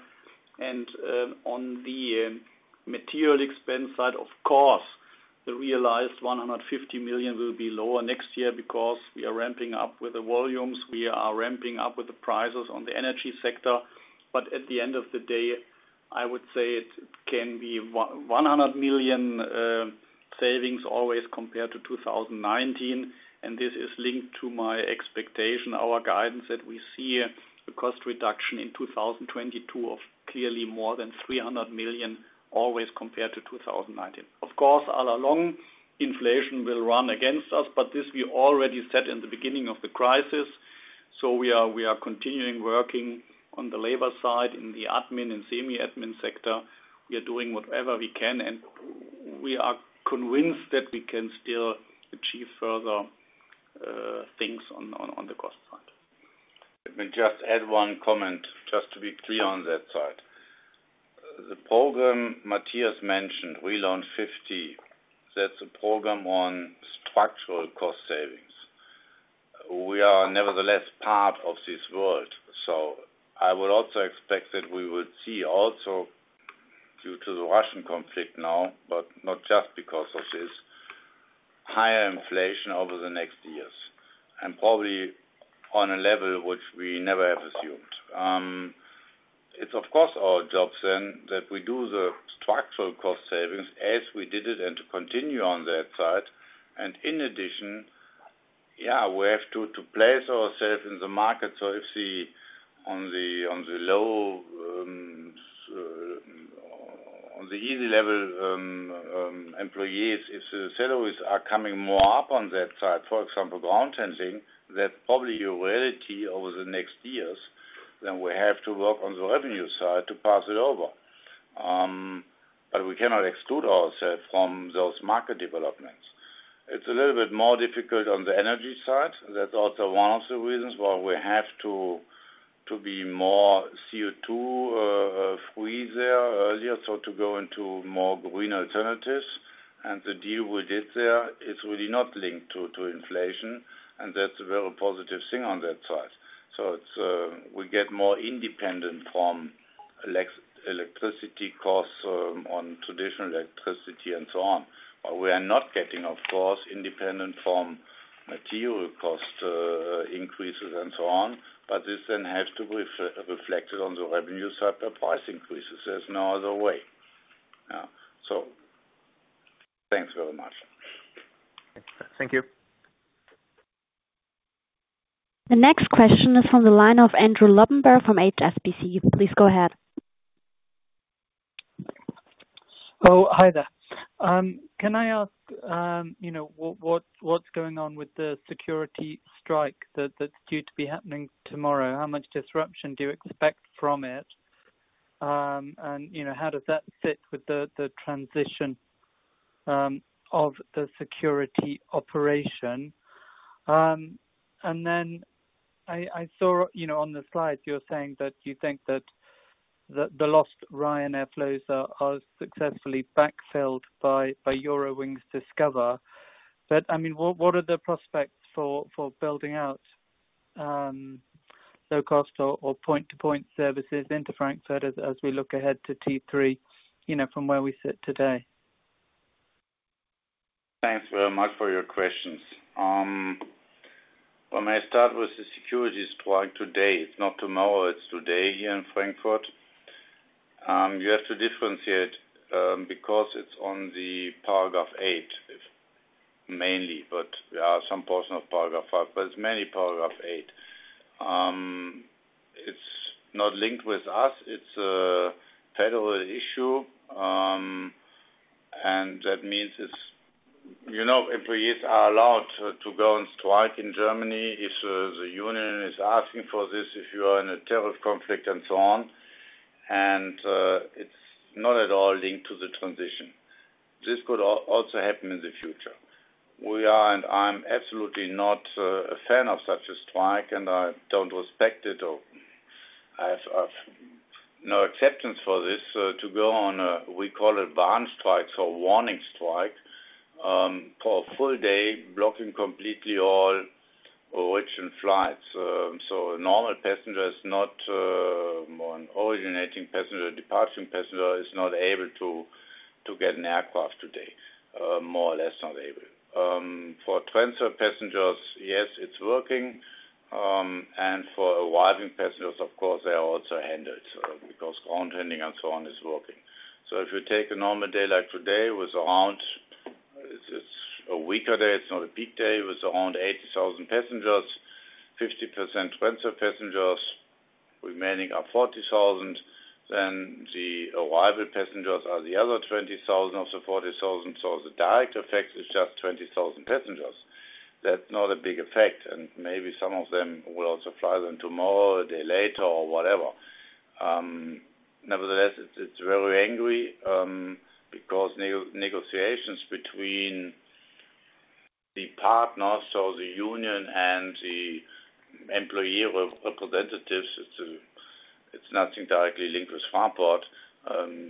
On the material expense side, of course, the realized 150 million will be lower next year because we are ramping up with the volumes, we are ramping up with the prices on the energy sector. But at the end of the day, I would say it can be 100 million savings always compared to 2019. This is linked to my expectation, our guidance that we see a cost reduction in 2022 of clearly more than 300 million always compared to 2019. Of course, all along, inflation will run against us, but this we already said in the beginning of the crisis. We are continuing working on the labor side in the admin and semi-admin sector. We are doing whatever we can, and we are convinced that we can still achieve further things on the cost side. Let me just add one comment just to be clear on that side. The program Matthias mentioned, Relaunch 50, that's a program on structural cost savings. We are nevertheless part of this world. I would also expect that we would see also due to the Russian conflict now, but not just because of this, higher inflation over the next years, and probably on a level which we never have assumed. It's of course our job then that we do the structural cost savings as we did it and to continue on that side. In addition, yeah, we have to place ourselves in the market. If the on the low end on the entry level employees if the salaries are coming more up on that side, for example, ground handling, that's probably a reality over the next years, then we have to work on the revenue side to pass it over. We cannot exclude ourselves from those market developments. It's a little bit more difficult on the energy side. That's also one of the reasons why we have to be more CO₂ free there earlier, so to go into more green alternatives. The deal we did there is really not linked to inflation, and that's a very positive thing on that side. It's that we get more independent from electricity costs on traditional electricity and so on. We are not getting independent, of course, from material cost increases and so on. This then has to be reflected on the revenue side, the price increases. There's no other way. Thanks very much. Thank you. The next question is from the line of Andrew Lobbenberg from HSBC. Please go ahead. Oh, hi there. Can I ask you know what's going on with the security strike that's due to be happening tomorrow? How much disruption do you expect from it? You know how does that fit with the transition of the security operation? I saw you know on the slides you're saying that you think that the lost Ryanair flows are successfully backfilled by Discover Airlines. I mean what are the prospects for building out low cost or point-to-point services into Frankfurt as we look ahead to T3 you know from where we sit today? Thanks very much for your questions. Well, may I start with the security strike today? It's not tomorrow, it's today here in Frankfurt. You have to differentiate, because it's on the paragraph eight mainly, but there are some portions of paragraph five, but it's mainly paragraph eight. It's not linked with us. It's a federal issue, and that means it's. You know, employees are allowed to go on strike in Germany if the union is asking for this, if you are in a tariff conflict and so on, and it's not at all linked to the transition. This could also happen in the future. I'm absolutely not a fan of such a strike, and I don't respect it or I have no acceptance for this to go on. We call advanced strikes or warning strike for a full day, blocking completely all originating flights. Normal passengers not originating passenger, departing passenger is not able to get an aircraft today, more or less not able. For transfer passengers, yes, it's working. For arriving passengers, of course, they are also handled because ground handling and so on is working. If you take a normal day like today with around, it's a weaker day, it's not a peak day, with around 80,000 passengers, 50% transfer passengers, remaining are 40,000, then the arrival passengers are the other 20,000 of the 40,000. The direct effect is just 20,000 passengers. That's not a big effect, and maybe some of them will also fly then tomorrow or a day later or whatever. Nevertheless it's very urgent, because negotiations between the partners or the union and the employee representatives, it's nothing directly linked with Fraport.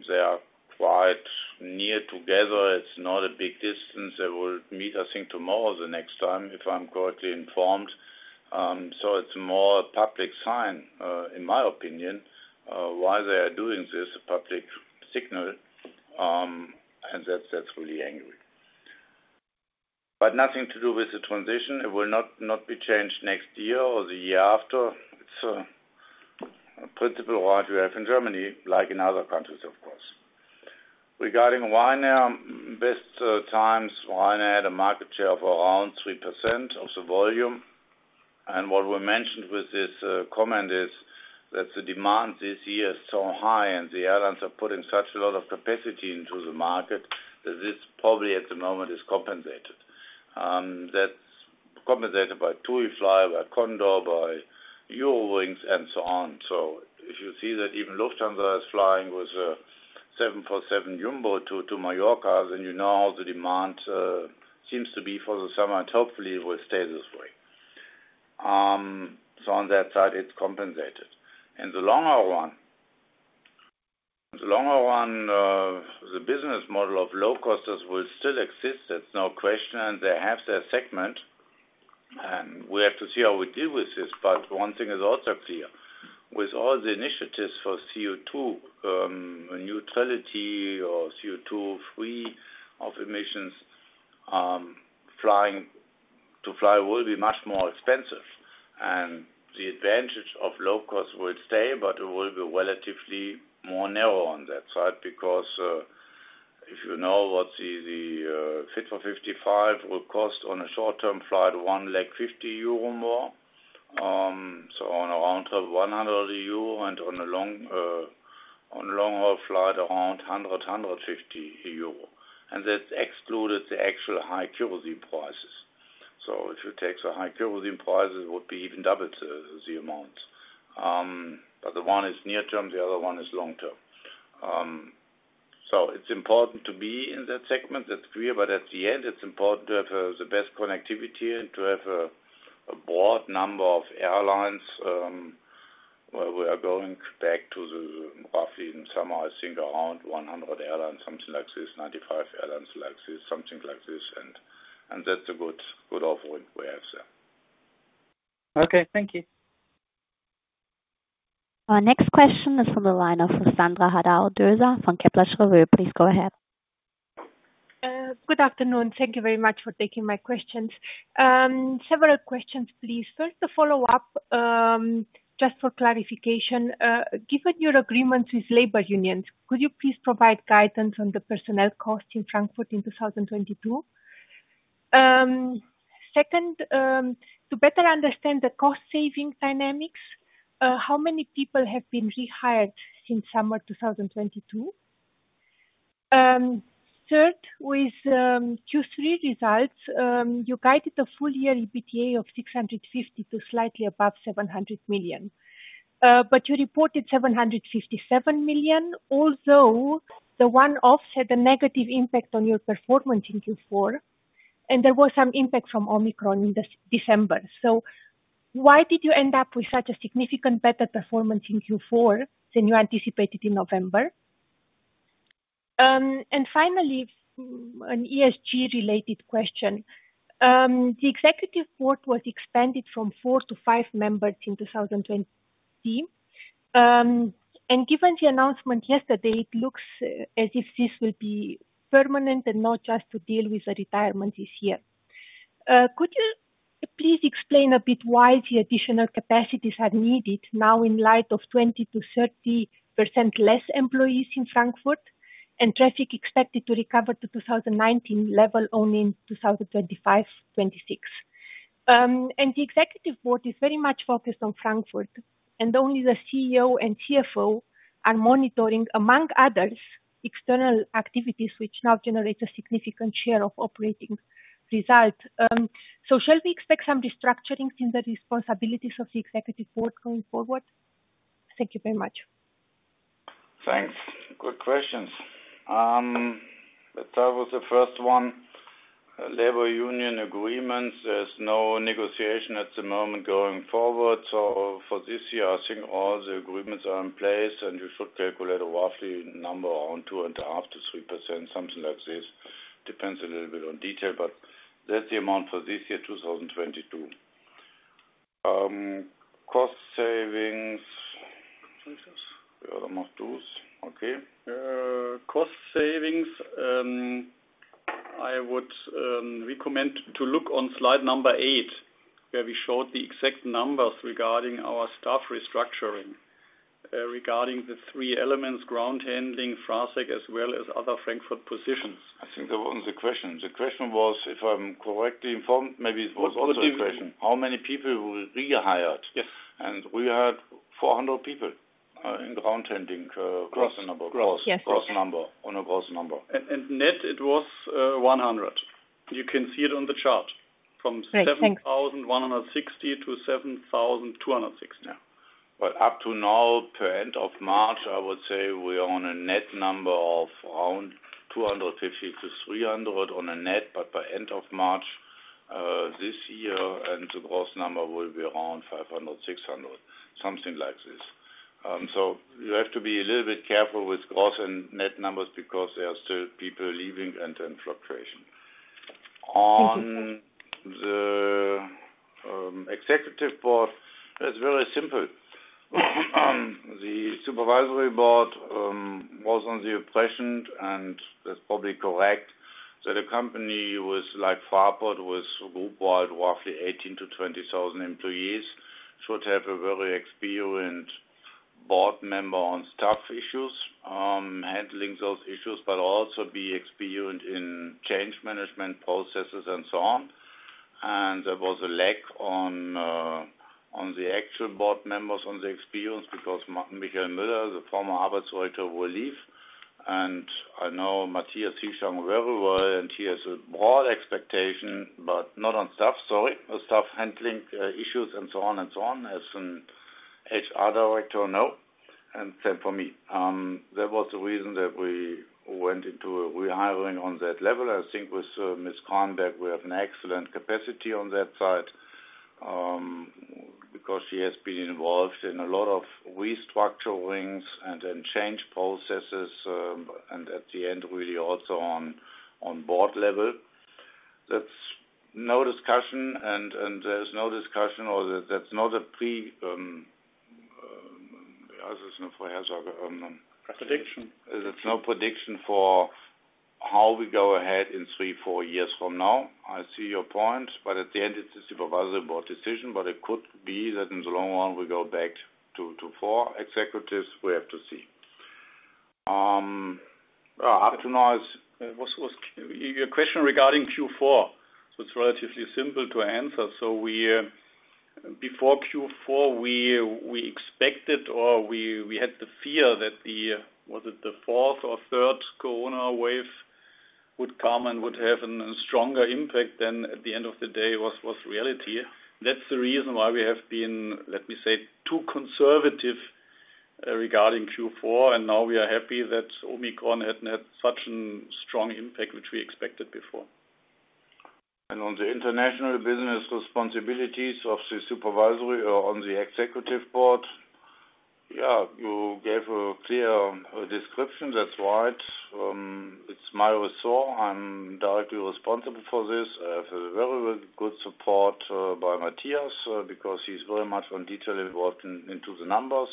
They are quite near together. It's not a big distance. They will meet, I think, tomorrow the next time if I'm correctly informed. It's more a public sign, in my opinion, why they are doing this public signal. That's really urgent. Nothing to do with the transition. It will not be changed next year or the year after. It's a principle what we have in Germany like in other countries, of course. Regarding Ryanair, best times Ryanair had a market share of around 3% of the volume. What we mentioned with this comment is that the demand this year is so high and the airlines are putting such a lot of capacity into the market that this probably at the moment is compensated. That's compensated by TUI fly, by Condor, by Eurowings and so on. If you see that even Lufthansa is flying with a Seven Four Seven Jumbo to Mallorca, then you know how the demand seems to be for the summer, and hopefully it will stay this way. On that side it's compensated. In the longer run, the business model of low costs will still exist. There's no question they have their segment, and we have to see how we deal with this. One thing is also clear. With all the initiatives for CO₂ neutrality or CO₂ free of emissions, to fly will be much more expensive. The advantage of low costs will stay, but it will be relatively more narrow on that side because if you know what the Fit for 55 will cost on a short-term flight, one leg, 50 euro more, so on around 100 euro and on long haul flight, around 150 euro. That's excluded the actual high kerosene prices. If you take the high kerosene prices, it would be even double the amount. The one is near term, the other one is long term. It's important to be in that segment. That's clear, but at the end it's important to have the best connectivity and to have a broad number of airlines, where we are going back to roughly in summer, I think around 100 airlines, something like this, 95 airlines like this, something like this, and that's a good offering we have there. Okay. Thank you. Our next question is from the line of Ruxandra Haradau-Döser from Kepler Cheuvreux. Please go ahead. Good afternoon. Thank you very much for taking my questions. Several questions, please. First, a follow-up, just for clarification. Given your agreements with labor unions, could you please provide guidance on the personnel costs in Frankfurt in 2022? Second, to better understand the cost saving dynamics, how many people have been rehired since summer 2022? Third with Q3 results, you guided the full year EBITDA of 650 million to slightly above 700 million. But you reported 757 million, although the one-off had a negative impact on your performance in Q4, and there was some impact from Omicron in December. Why did you end up with such a significant better performance in Q4 than you anticipated in November? Finally, an ESG related question. The executive board was expanded from four to five members in 2020, and given the announcement yesterday, it looks as if this will be permanent and not just to deal with the retirement this year. Could you please explain a bit why the additional capacities are needed now in light of 20%-30% less employees in Frankfurt and traffic expected to recover to 2019 level only in 2025, 2026? The executive board is very much focused on Frankfurt and only the CEO and CFO are monitoring, among others, external activities which now generates a significant share of operating results. Shall we expect some restructurings in the responsibilities of the executive board going forward? Thank you very much. Thanks. Good questions. Let's start with the first one. Labor union agreements, there's no negotiation at the moment going forward. For this year, I think all the agreements are in place, and you should calculate a roughly number around 2.5%-3%, something like this. Depends a little bit on detail, but that's the amount for this year, 2022. Cost savings. Cost savings? Okay. Cost savings, I would recommend to look on slide number 8, where we showed the exact numbers regarding our staff restructuring, the three elements, ground handling, FraSec, as well as other Frankfurt positions. I think that wasn't the question. The question was, if I'm correctly informed, maybe it was also a question, how many people were rehired? Yes. We hired 400 people in ground handling, gross number. Yes. Gross number. On a gross number. Net, it was 100. You can see it on the chart from- Right. Thanks. 7,160-7,206 now. Up to now, to end of March, I would say we are on a net number of around 250-300 on a net, but by end of March this year, and the gross number will be around 500-600, something like this. So you have to be a little bit careful with gross and net numbers because there are still people leaving and then fluctuation. Thank you. On the executive board, it's very simple. The supervisory board had the impression, and that's probably correct, that a company that is like Fraport with worldwide roughly 18,000-20,000 employees should have a very experienced board member on staff issues, handling those issues, but also be experienced in change management processes and so on. There was a lack of on the actual board members on the experience because Michael Müller, the former Arbeitsdirektor, will leave. I know Matthias Zieschang very well, and he has a broad experience, but not on staff, sorry, on staff handling, issues and so on and so on. As an HR director, no, and same for me. That was the reason that we went into rehiring on that level. I think with, Ms. Anke Giesen, we have an excellent capacity on that side, because she has been involved in a lot of restructurings and change processes, and at the end, really also on board level. That's no discussion, and there's no discussion. Prediction. There's no prediction for how we go ahead in three, four years from now. I see your point, but at the end, it's a supervisory board decision, but it could be that in the long run, we go back to four executives. We have to see. Up to now it's, was your question regarding Q4? It's relatively simple to answer. We before Q4, we expected or we had the fear that the was it the fourth or third Corona wave would come and would have a stronger impact than at the end of the day was reality. That's the reason why we have been, let me say, too conservative regarding Q4, and now we are happy that Omicron hadn't had such a strong impact, which we expected before. On the international business responsibilities of the supervisory or on the executive board, yeah, you gave a clear description. That's right. It's my resort. I'm directly responsible for this. I have a very good support by Matthias, because he's very much on detail involved in the numbers.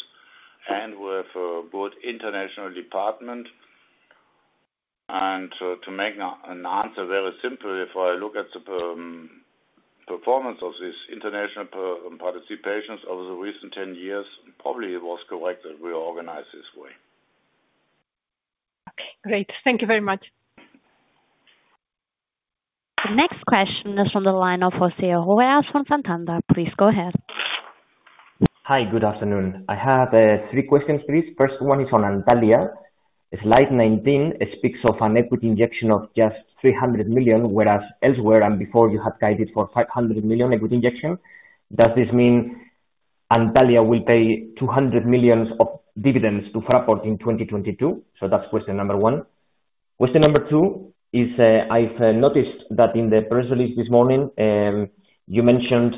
To make an answer very simple, if I look at the performance of this international participations over the recent 10 years, probably it was correct that we organize this way. Great. Thank you very much. The next question is from the line of Jose Arroyas from Santander. Please go ahead. Hi, good afternoon. I have three questions, please. First one is on Antalya. Slide 19 speaks of an equity injection of just 300 million, whereas elsewhere and before you had guided for 500 million equity injection. Does this mean Antalya will pay 200 million of dividends to Fraport in 2022? That's question number one. Question number two is, I've noticed that in the press release this morning, you mentioned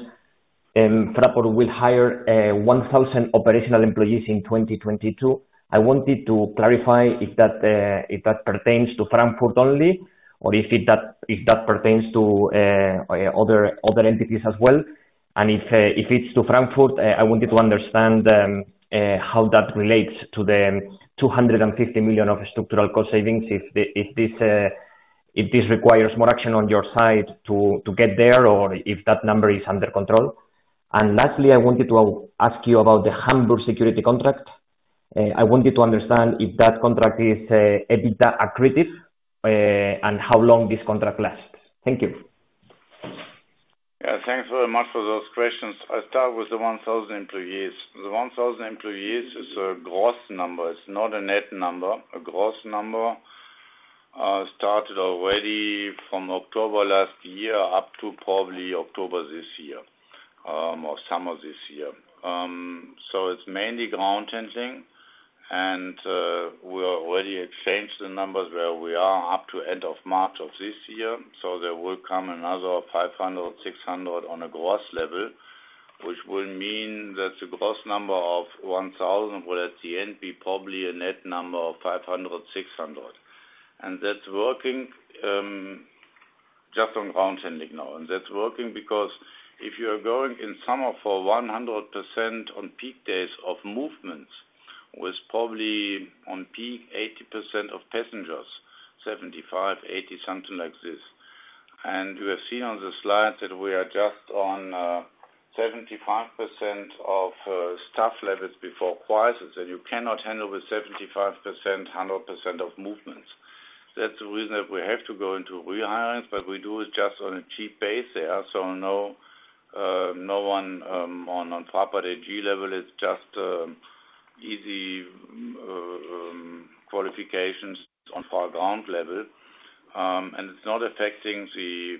Fraport will hire 1,000 operational employees in 2022. I wanted to clarify if that pertains to Frankfurt only, or if that pertains to other entities as well. If it's to Frankfurt, I wanted to understand how that relates to the 250 million of structural cost savings if this requires more action on your side to get there or if that number is under control. Lastly, I wanted to ask you about the Hamburg security contract. I wanted to understand if that contract is EBITDA accretive and how long this contract lasts. Thank you. Yeah, thanks very much for those questions. I'll start with the 1,000 employees. The 1,000 employees is a gross number, it's not a net number, a gross number. Started already from October last year up to probably October this year, or summer this year. It's mainly ground handling and, we already exchanged the numbers where we are up to end of March of this year. There will come another 500, 600 on a gross level, which will mean that the gross number of 1,000 will at the end be probably a net number of 500, 600. That's working just on ground handling now. That's working because if you are going in summer for 100% on peak days of movements, with probably on peak 80% of passengers, 75%, 80%, something like this. You have seen on the slides that we are just on 75% of staff levels before crisis, and you cannot handle the 75%, 100% of movements. That's the reason that we have to go into rehires, but we do it just on a cheap basis there. No one on Pier G level. It's just easy qualifications on the ground level. It's not affecting the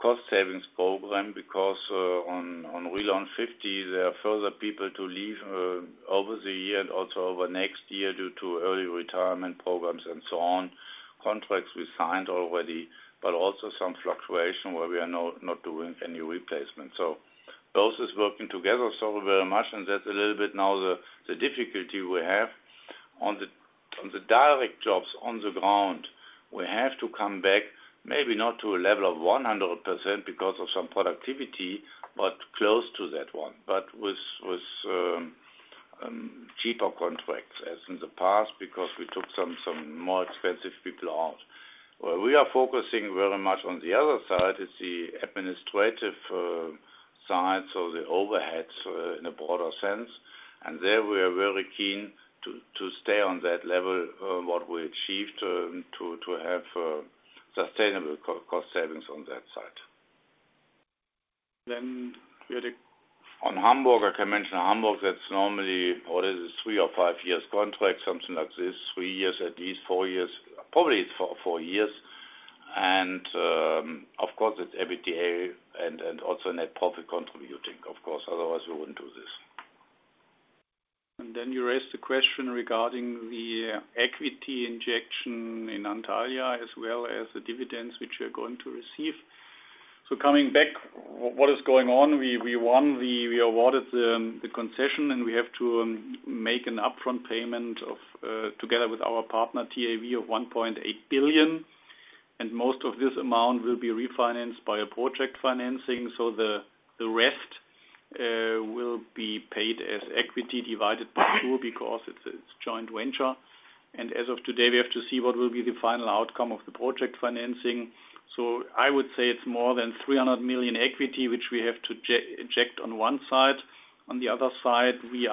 cost savings program because on Relaunch 50, there are further people to leave over the year and also over next year due to early retirement programs and so on, contracts we signed already, but also some fluctuation where we are not doing any replacement. Those are working together so very much, and that's a little bit now the difficulty we have on the direct jobs on the ground. We have to come back maybe not to a level of 100% because of some productivity, but close to that one. But with cheaper contracts as in the past, because we took some more expensive people out. Where we are focusing very much on the other side is the administrative side, so the overheads in a broader sense. There, we are very keen to stay on that level what we achieved to have sustainable cost savings on that side. Friedrich? On Hamburg, I can mention Hamburg. That's normally 3 or 5 years contract, something like this. 3 years, at least 4 years, probably 4 years. Of course, it's EBITDA and also net profit contributing, of course, otherwise we wouldn't do this. Then you raised the question regarding the equity injection in Antalya as well as the dividends which you're going to receive. Coming back, what is going on, we won the concession, and we have to make an upfront payment of together with our partner, TAV, of 1.8 billion. Most of this amount will be refinanced by a project financing. The rest will be paid as equity divided by two because it's a joint venture. As of today, we have to see what will be the final outcome of the project financing. I would say it's more than 300 million equity, which we have to inject on one side. On the other side, we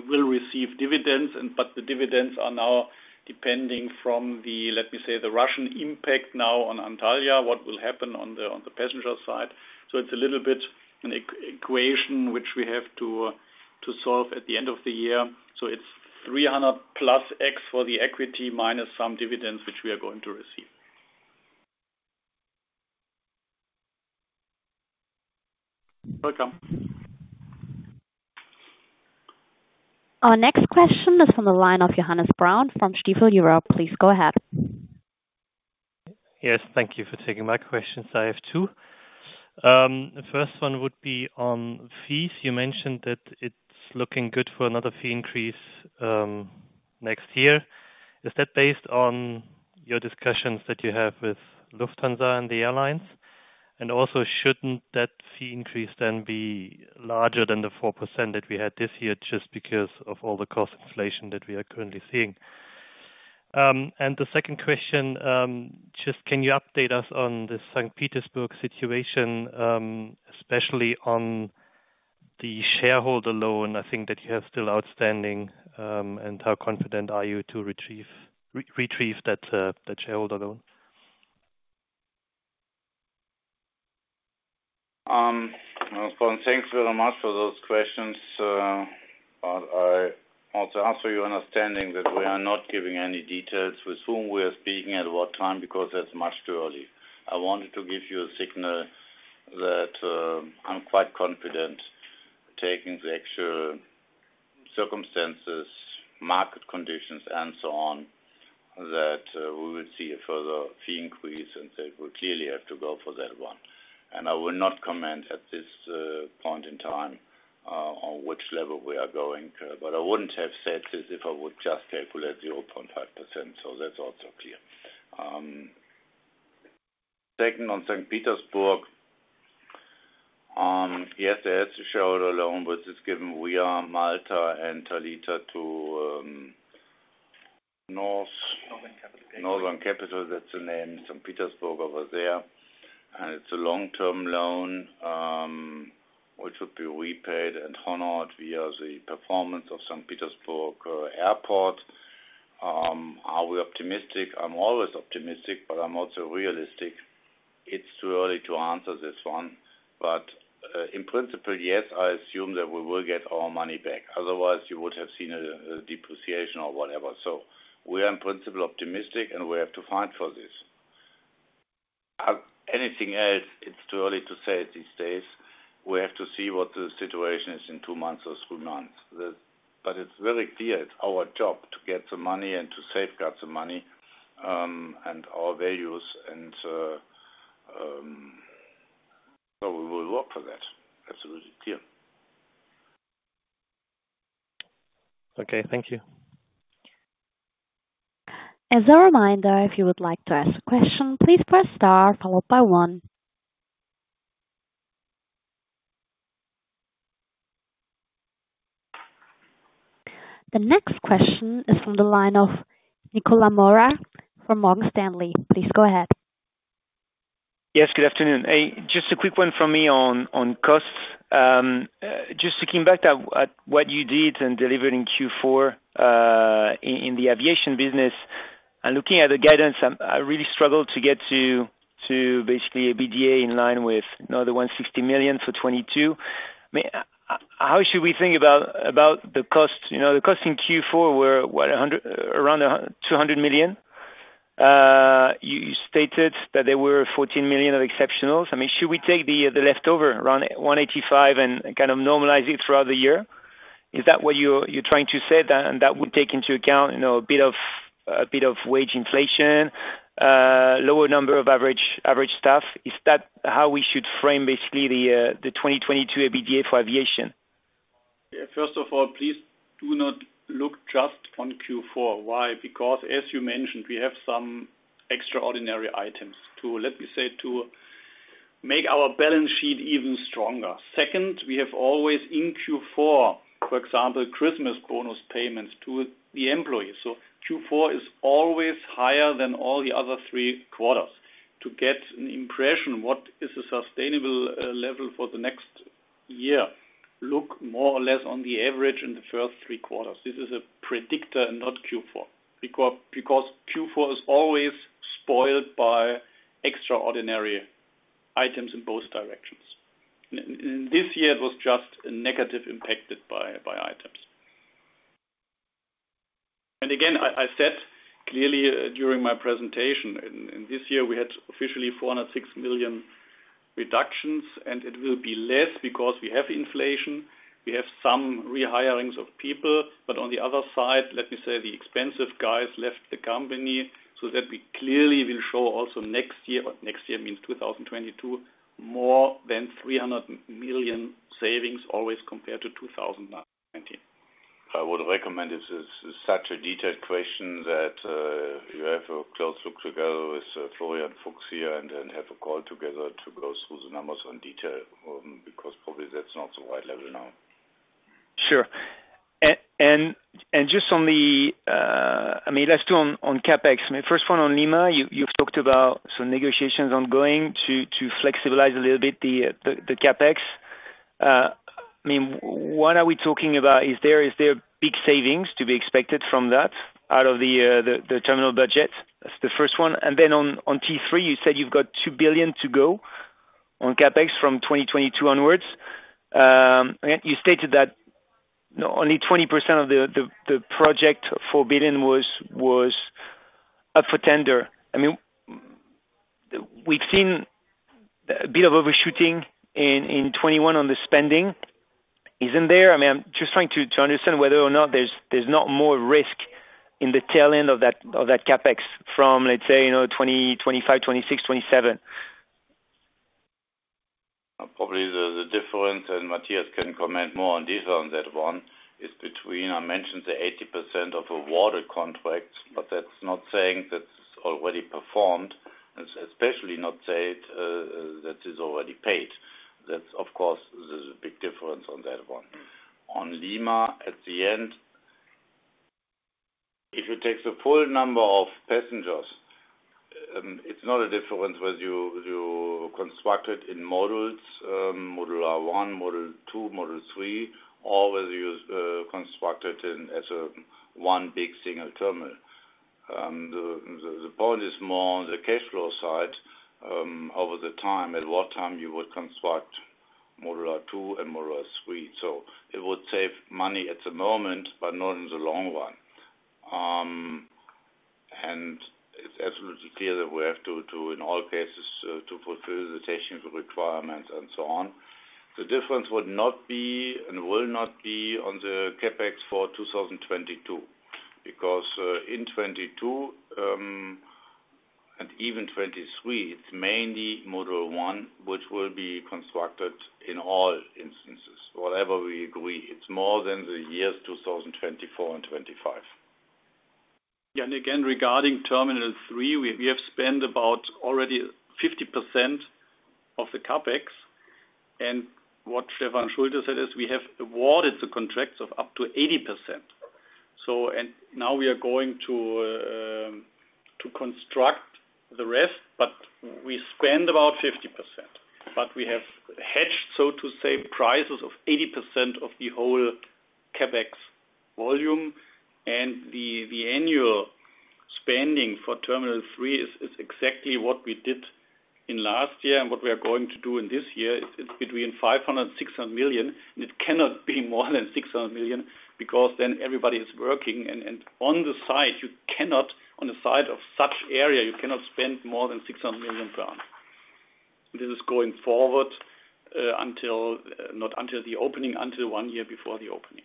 will receive dividends, but the dividends are now depending on the, let me say, the Russian impact now on Antalya, what will happen on the passenger side. It's a little bit an equation which we have to solve at the end of the year. It's 300 plus X at equity minus some dividends which we are going to receive. Welcome. Our next question is from the line of Johannes Braun from Stifel Europe. Please go ahead. Yes, thank you for taking my questions. I have two. The first one would be on fees. You mentioned that it's looking good for another fee increase next year. Is that based on your discussions that you have with Lufthansa and the airlines? Also, shouldn't that fee increase then be larger than the 4% that we had this year just because of all the cost inflation that we are currently seeing? The second question, just can you update us on the St. Petersburg situation, especially on The shareholder loan, I think that you have still outstanding, and how confident are you to retrieve that shareholder loan? Well, thanks very much for those questions. I also ask for your understanding that we are not giving any details with whom we are speaking at what time, because that's much too early. I wanted to give you a signal that I'm quite confident taking the actual circumstances, market conditions, and so on, that we will see a further fee increase, and that we clearly have to go for that one. I will not comment at this point in time on which level we are going. I wouldn't have said this if I would just calculate 0.5%, so that's also clear. Second, on Saint Petersburg, yes, there is a shareholder loan, but it's given via Malta and Thalita to North- Northern Capital Gateway. Northern Capital Gateway, that's the name, Saint Petersburg over there. It's a long-term loan, which will be repaid and honored via the performance of Saint Petersburg Airport. Are we optimistic? I'm always optimistic, but I'm also realistic. It's too early to answer this one. In principle, yes, I assume that we will get our money back. Otherwise, you would have seen a depreciation or whatever. We are in principle optimistic, and we have to fight for this. Anything else, it's too early to say these days. We have to see what the situation is in two months or three months. It's very clear it's our job to get the money and to safeguard the money, and our values, so we will work for that. Absolutely clear. Okay, thank you. As a reminder, if you would like to ask a question, please press star followed by 1. The next question is from the line of Nicolas Mora from Morgan Stanley. Please go ahead. Yes, good afternoon. Just a quick one from me on costs. Just looking back at what you did and delivered in Q4 in the aviation business and looking at the guidance, I really struggle to get to basically EBITDA in line with another 160 million for 2022. I mean, how should we think about the costs? You know, the costs in Q4 were around 200 million. You stated that there were 14 million of exceptionals. I mean, should we take the leftover around 185 and kind of normalize it throughout the year? Is that what you're trying to say? That would take into account a bit of wage inflation, lower number of average staff. Is that how we should frame basically the 2022 EBITDA for aviation? Yeah. First of all, please do not look just on Q4. Why? Because as you mentioned, we have some extraordinary items to, let me say, to make our balance sheet even stronger. Second, we have always in Q4, for example, Christmas bonus payments to the employees. Q4 is always higher than all the other three quarters. To get an impression what is a sustainable level for the next year, look more or less on the average in the first three quarters. This is a predictor, not Q4. Because Q4 is always spoiled by extraordinary items in both directions. This year it was just negatively impacted by items. Again, I said clearly during my presentation, and this year we had officially 406 million reductions, and it will be less because we have inflation, we have some rehirings of people. On the other side, let me say, the expensive guys left the company so that we clearly will show also next year, or next year means 2022, more than 300 million savings always compared to 2019. I would recommend this is such a detailed question that you have a close look together with Florian Fuchs here and then have a call together to go through the numbers in detail, because probably that's not the right level now. Sure. Just on the, I mean, let's do on CapEx. I mean, first one on Lima, you've talked about some negotiations ongoing to flexibilize a little bit the CapEx. I mean, what are we talking about? Is there big savings to be expected from that out of the terminal budget? That's the first one. On T3, you said you've got 2 billion to go on CapEx from 2022 onwards. You stated that only 20% of the project, 4 billion, was up for tender. I mean, we've seen a bit of overshooting in 2021 on the spending. Isn't there? I mean, I'm just trying to understand whether or not there's not more risk in the tail end of that CapEx from, let's say, you know, 2020, 2025, 2026, 2027. Probably the difference, and Matthias can comment more on detail on that one, is between. I mentioned the 80% of awarded contracts, but that's not saying that's already performed, especially not saying it, that is already paid. That's of course, there's a big difference on that one. On Lima, at the end. If you take the full number of passengers, it's not a difference whether you construct it in models, model 1, model 2, model 3, or whether you construct it in as a one big single terminal. The point is more on the cash flow side, over the time, at what time you would construct model 2 and model 3. It would save money at the moment, but not in the long run. It's absolutely clear that we have to, too, in all cases to fulfill the station's requirements and so on. The difference would not be and will not be on the CapEx for 2022. Because in 2022 and even 2023, it's mainly model one, which will be constructed in all instances. Whatever we agree, it's more in the years 2024 and 2025. Yeah. Again, regarding Terminal 3, we have spent about already 50% of the CapEx. What Stefan Schulte said is we have awarded the contracts of up to 80%. Now we are going to construct the rest, but we spend about 50%. We have hedged, so to say, prices of 80% of the whole CapEx volume. The annual spending for Terminal 3 is exactly what we did in last year and what we are going to do in this year. It's between 500 million and 600 million, and it cannot be more than 600 million because then everybody is working. On the site of such area, you cannot spend more than 600 million. This is going forward until not until the opening, until one year before the opening.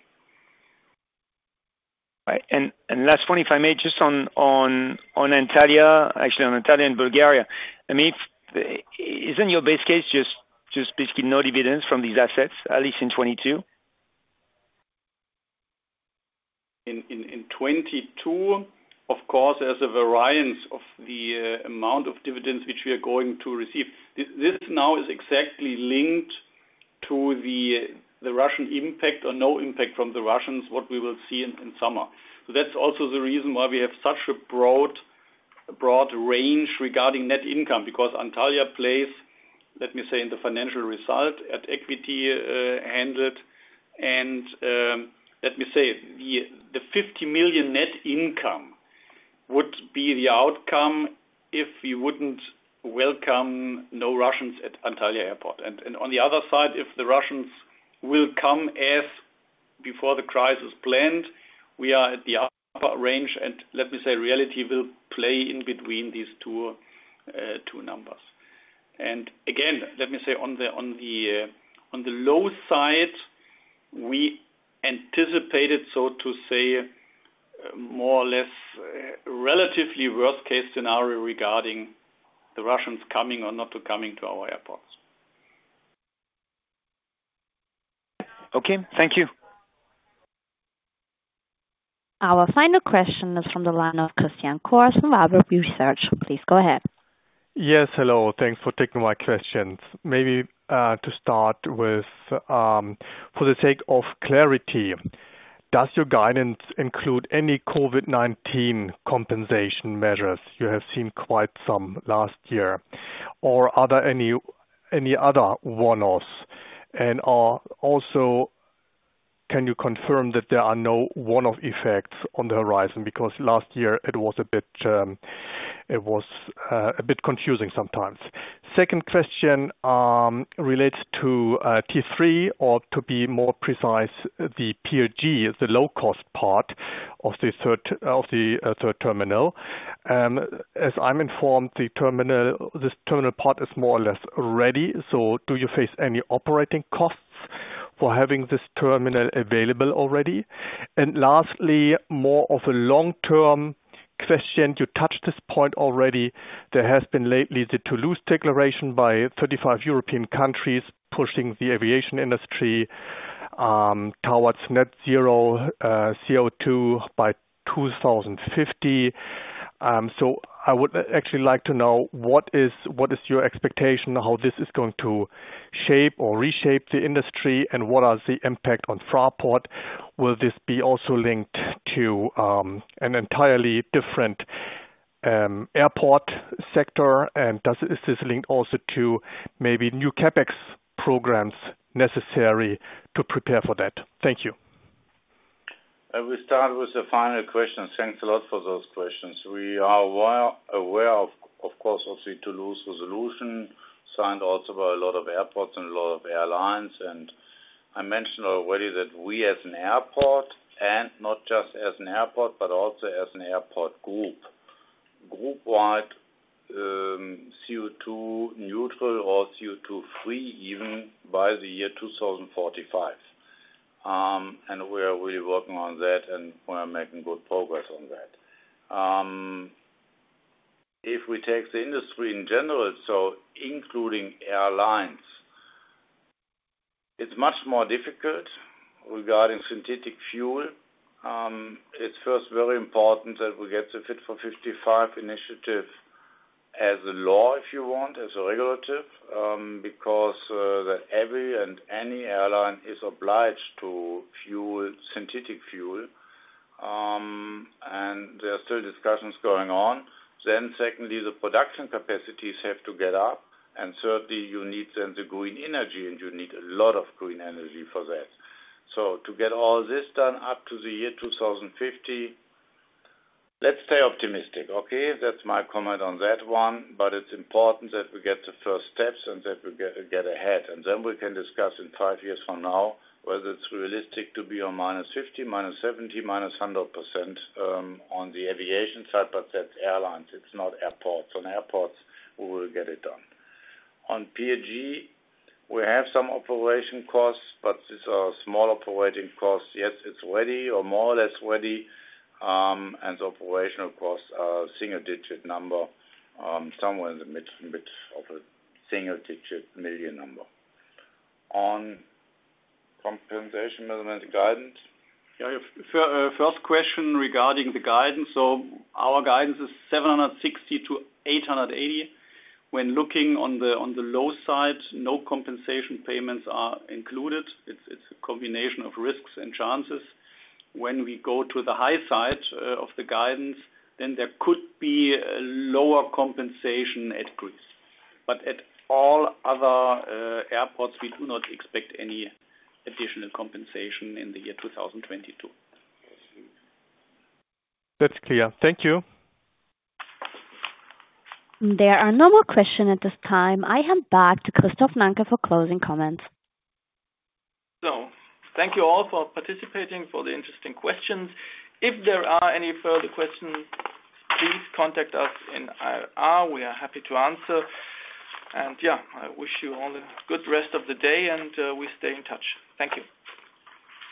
Right. Last one, if I may, just on Antalya, actually on Antalya and Bulgaria. I mean, isn't your base case just basically no dividends from these assets, at least in 2022? In 2022, of course, there's a variance of the amount of dividends which we are going to receive. This now is exactly linked to the Russian impact or no impact from the Russians, what we will see in summer. That's also the reason why we have such a broad range regarding net income, because Antalya plays, let me say, in the financial result at equity, and let me say, the 50 million net income would be the outcome if we wouldn't welcome no Russians at Antalya Airport. On the other side, if the Russians will come as before the crisis planned, we are at the upper range. Let me say, reality will play in between these two numbers. Again, let me say on the low side, we anticipated, so to say, more or less relatively worst-case scenario regarding the Russians coming or not coming to our airports. Okay, thank you. Our final question is from the line of Christian Cohrs from Warburg Research. Please go ahead. Yes, hello. Thanks for taking my questions. Maybe to start with, for the sake of clarity, does your guidance include any COVID-19 compensation measures? You have seen quite some last year. Or are there any other one-offs? Also, can you confirm that there are no one-off effects on the horizon? Because last year it was a bit confusing sometimes. Second question relates to T3, or to be more precise, the Pier G, the low-cost part of the third terminal. As I'm informed, the terminal, this terminal part is more or less ready. So, do you face any operating costs for having this terminal available already? And lastly, more of a long-term question. You touched this point already. There has been lately the Toulouse Declaration by 35 European countries pushing the aviation industry towards net zero CO₂ by 2050. I would actually like to know what is your expectation how this is going to shape or reshape the industry? What is the impact on Fraport? Will this be also linked to an entirely different airport sector? Does this linked also to maybe new CapEx programs necessary to prepare for that? Thank you. I will start with the final question. Thanks a lot for those questions. We are aware of course of the Toulouse Declaration, signed also by a lot of airports and a lot of airlines. I mentioned already that we as an airport, and not just as an airport, but also as an airport group wide, CO₂ neutral or CO₂ free even by the year 2045. We are really working on that, and we are making good progress on that. If we take the industry in general, so including airlines, it's much more difficult regarding synthetic fuel. It's first very important that we get the Fit for 55 initiative as a law, if you want, as a regulation, because that every and any airline is obliged to use synthetic fuel. There are still discussions going on. Secondly, the production capacities have to get up. Thirdly, you need then the green energy, and you need a lot of green energy for that. To get all this done up to the year 2050, let's stay optimistic, okay? That's my comment on that one. It's important that we get the first steps and that we get ahead, and then we can discuss in five years from now whether it's realistic to be on -50%, -70%, -100% on the aviation side, but that's airlines, it's not airports. On airports, we will get it done. On Fraport AG, we have some operating costs, but it's a small operating cost. Yes, it's ready or more or less ready, and the operational costs are a single-digit number, somewhere in the mid-single-digits million EUR. On compensation element guidance. First question regarding the guidance. Our guidance is 760-880. When looking on the low side, no compensation payments are included. It's a combination of risks and chances. When we go to the high side of the guidance, then there could be a lower compensation at Greece. But at all other airports, we do not expect any additional compensation in the year 2022. That's clear. Thank you. There are no more questions at this time. I hand back to Christoph Nanke for closing comments. Thank you all for participating, for the interesting questions. If there are any further questions, please contact us in IR. We are happy to answer. Yeah, I wish you all a good rest of the day, and we stay in touch. Thank you.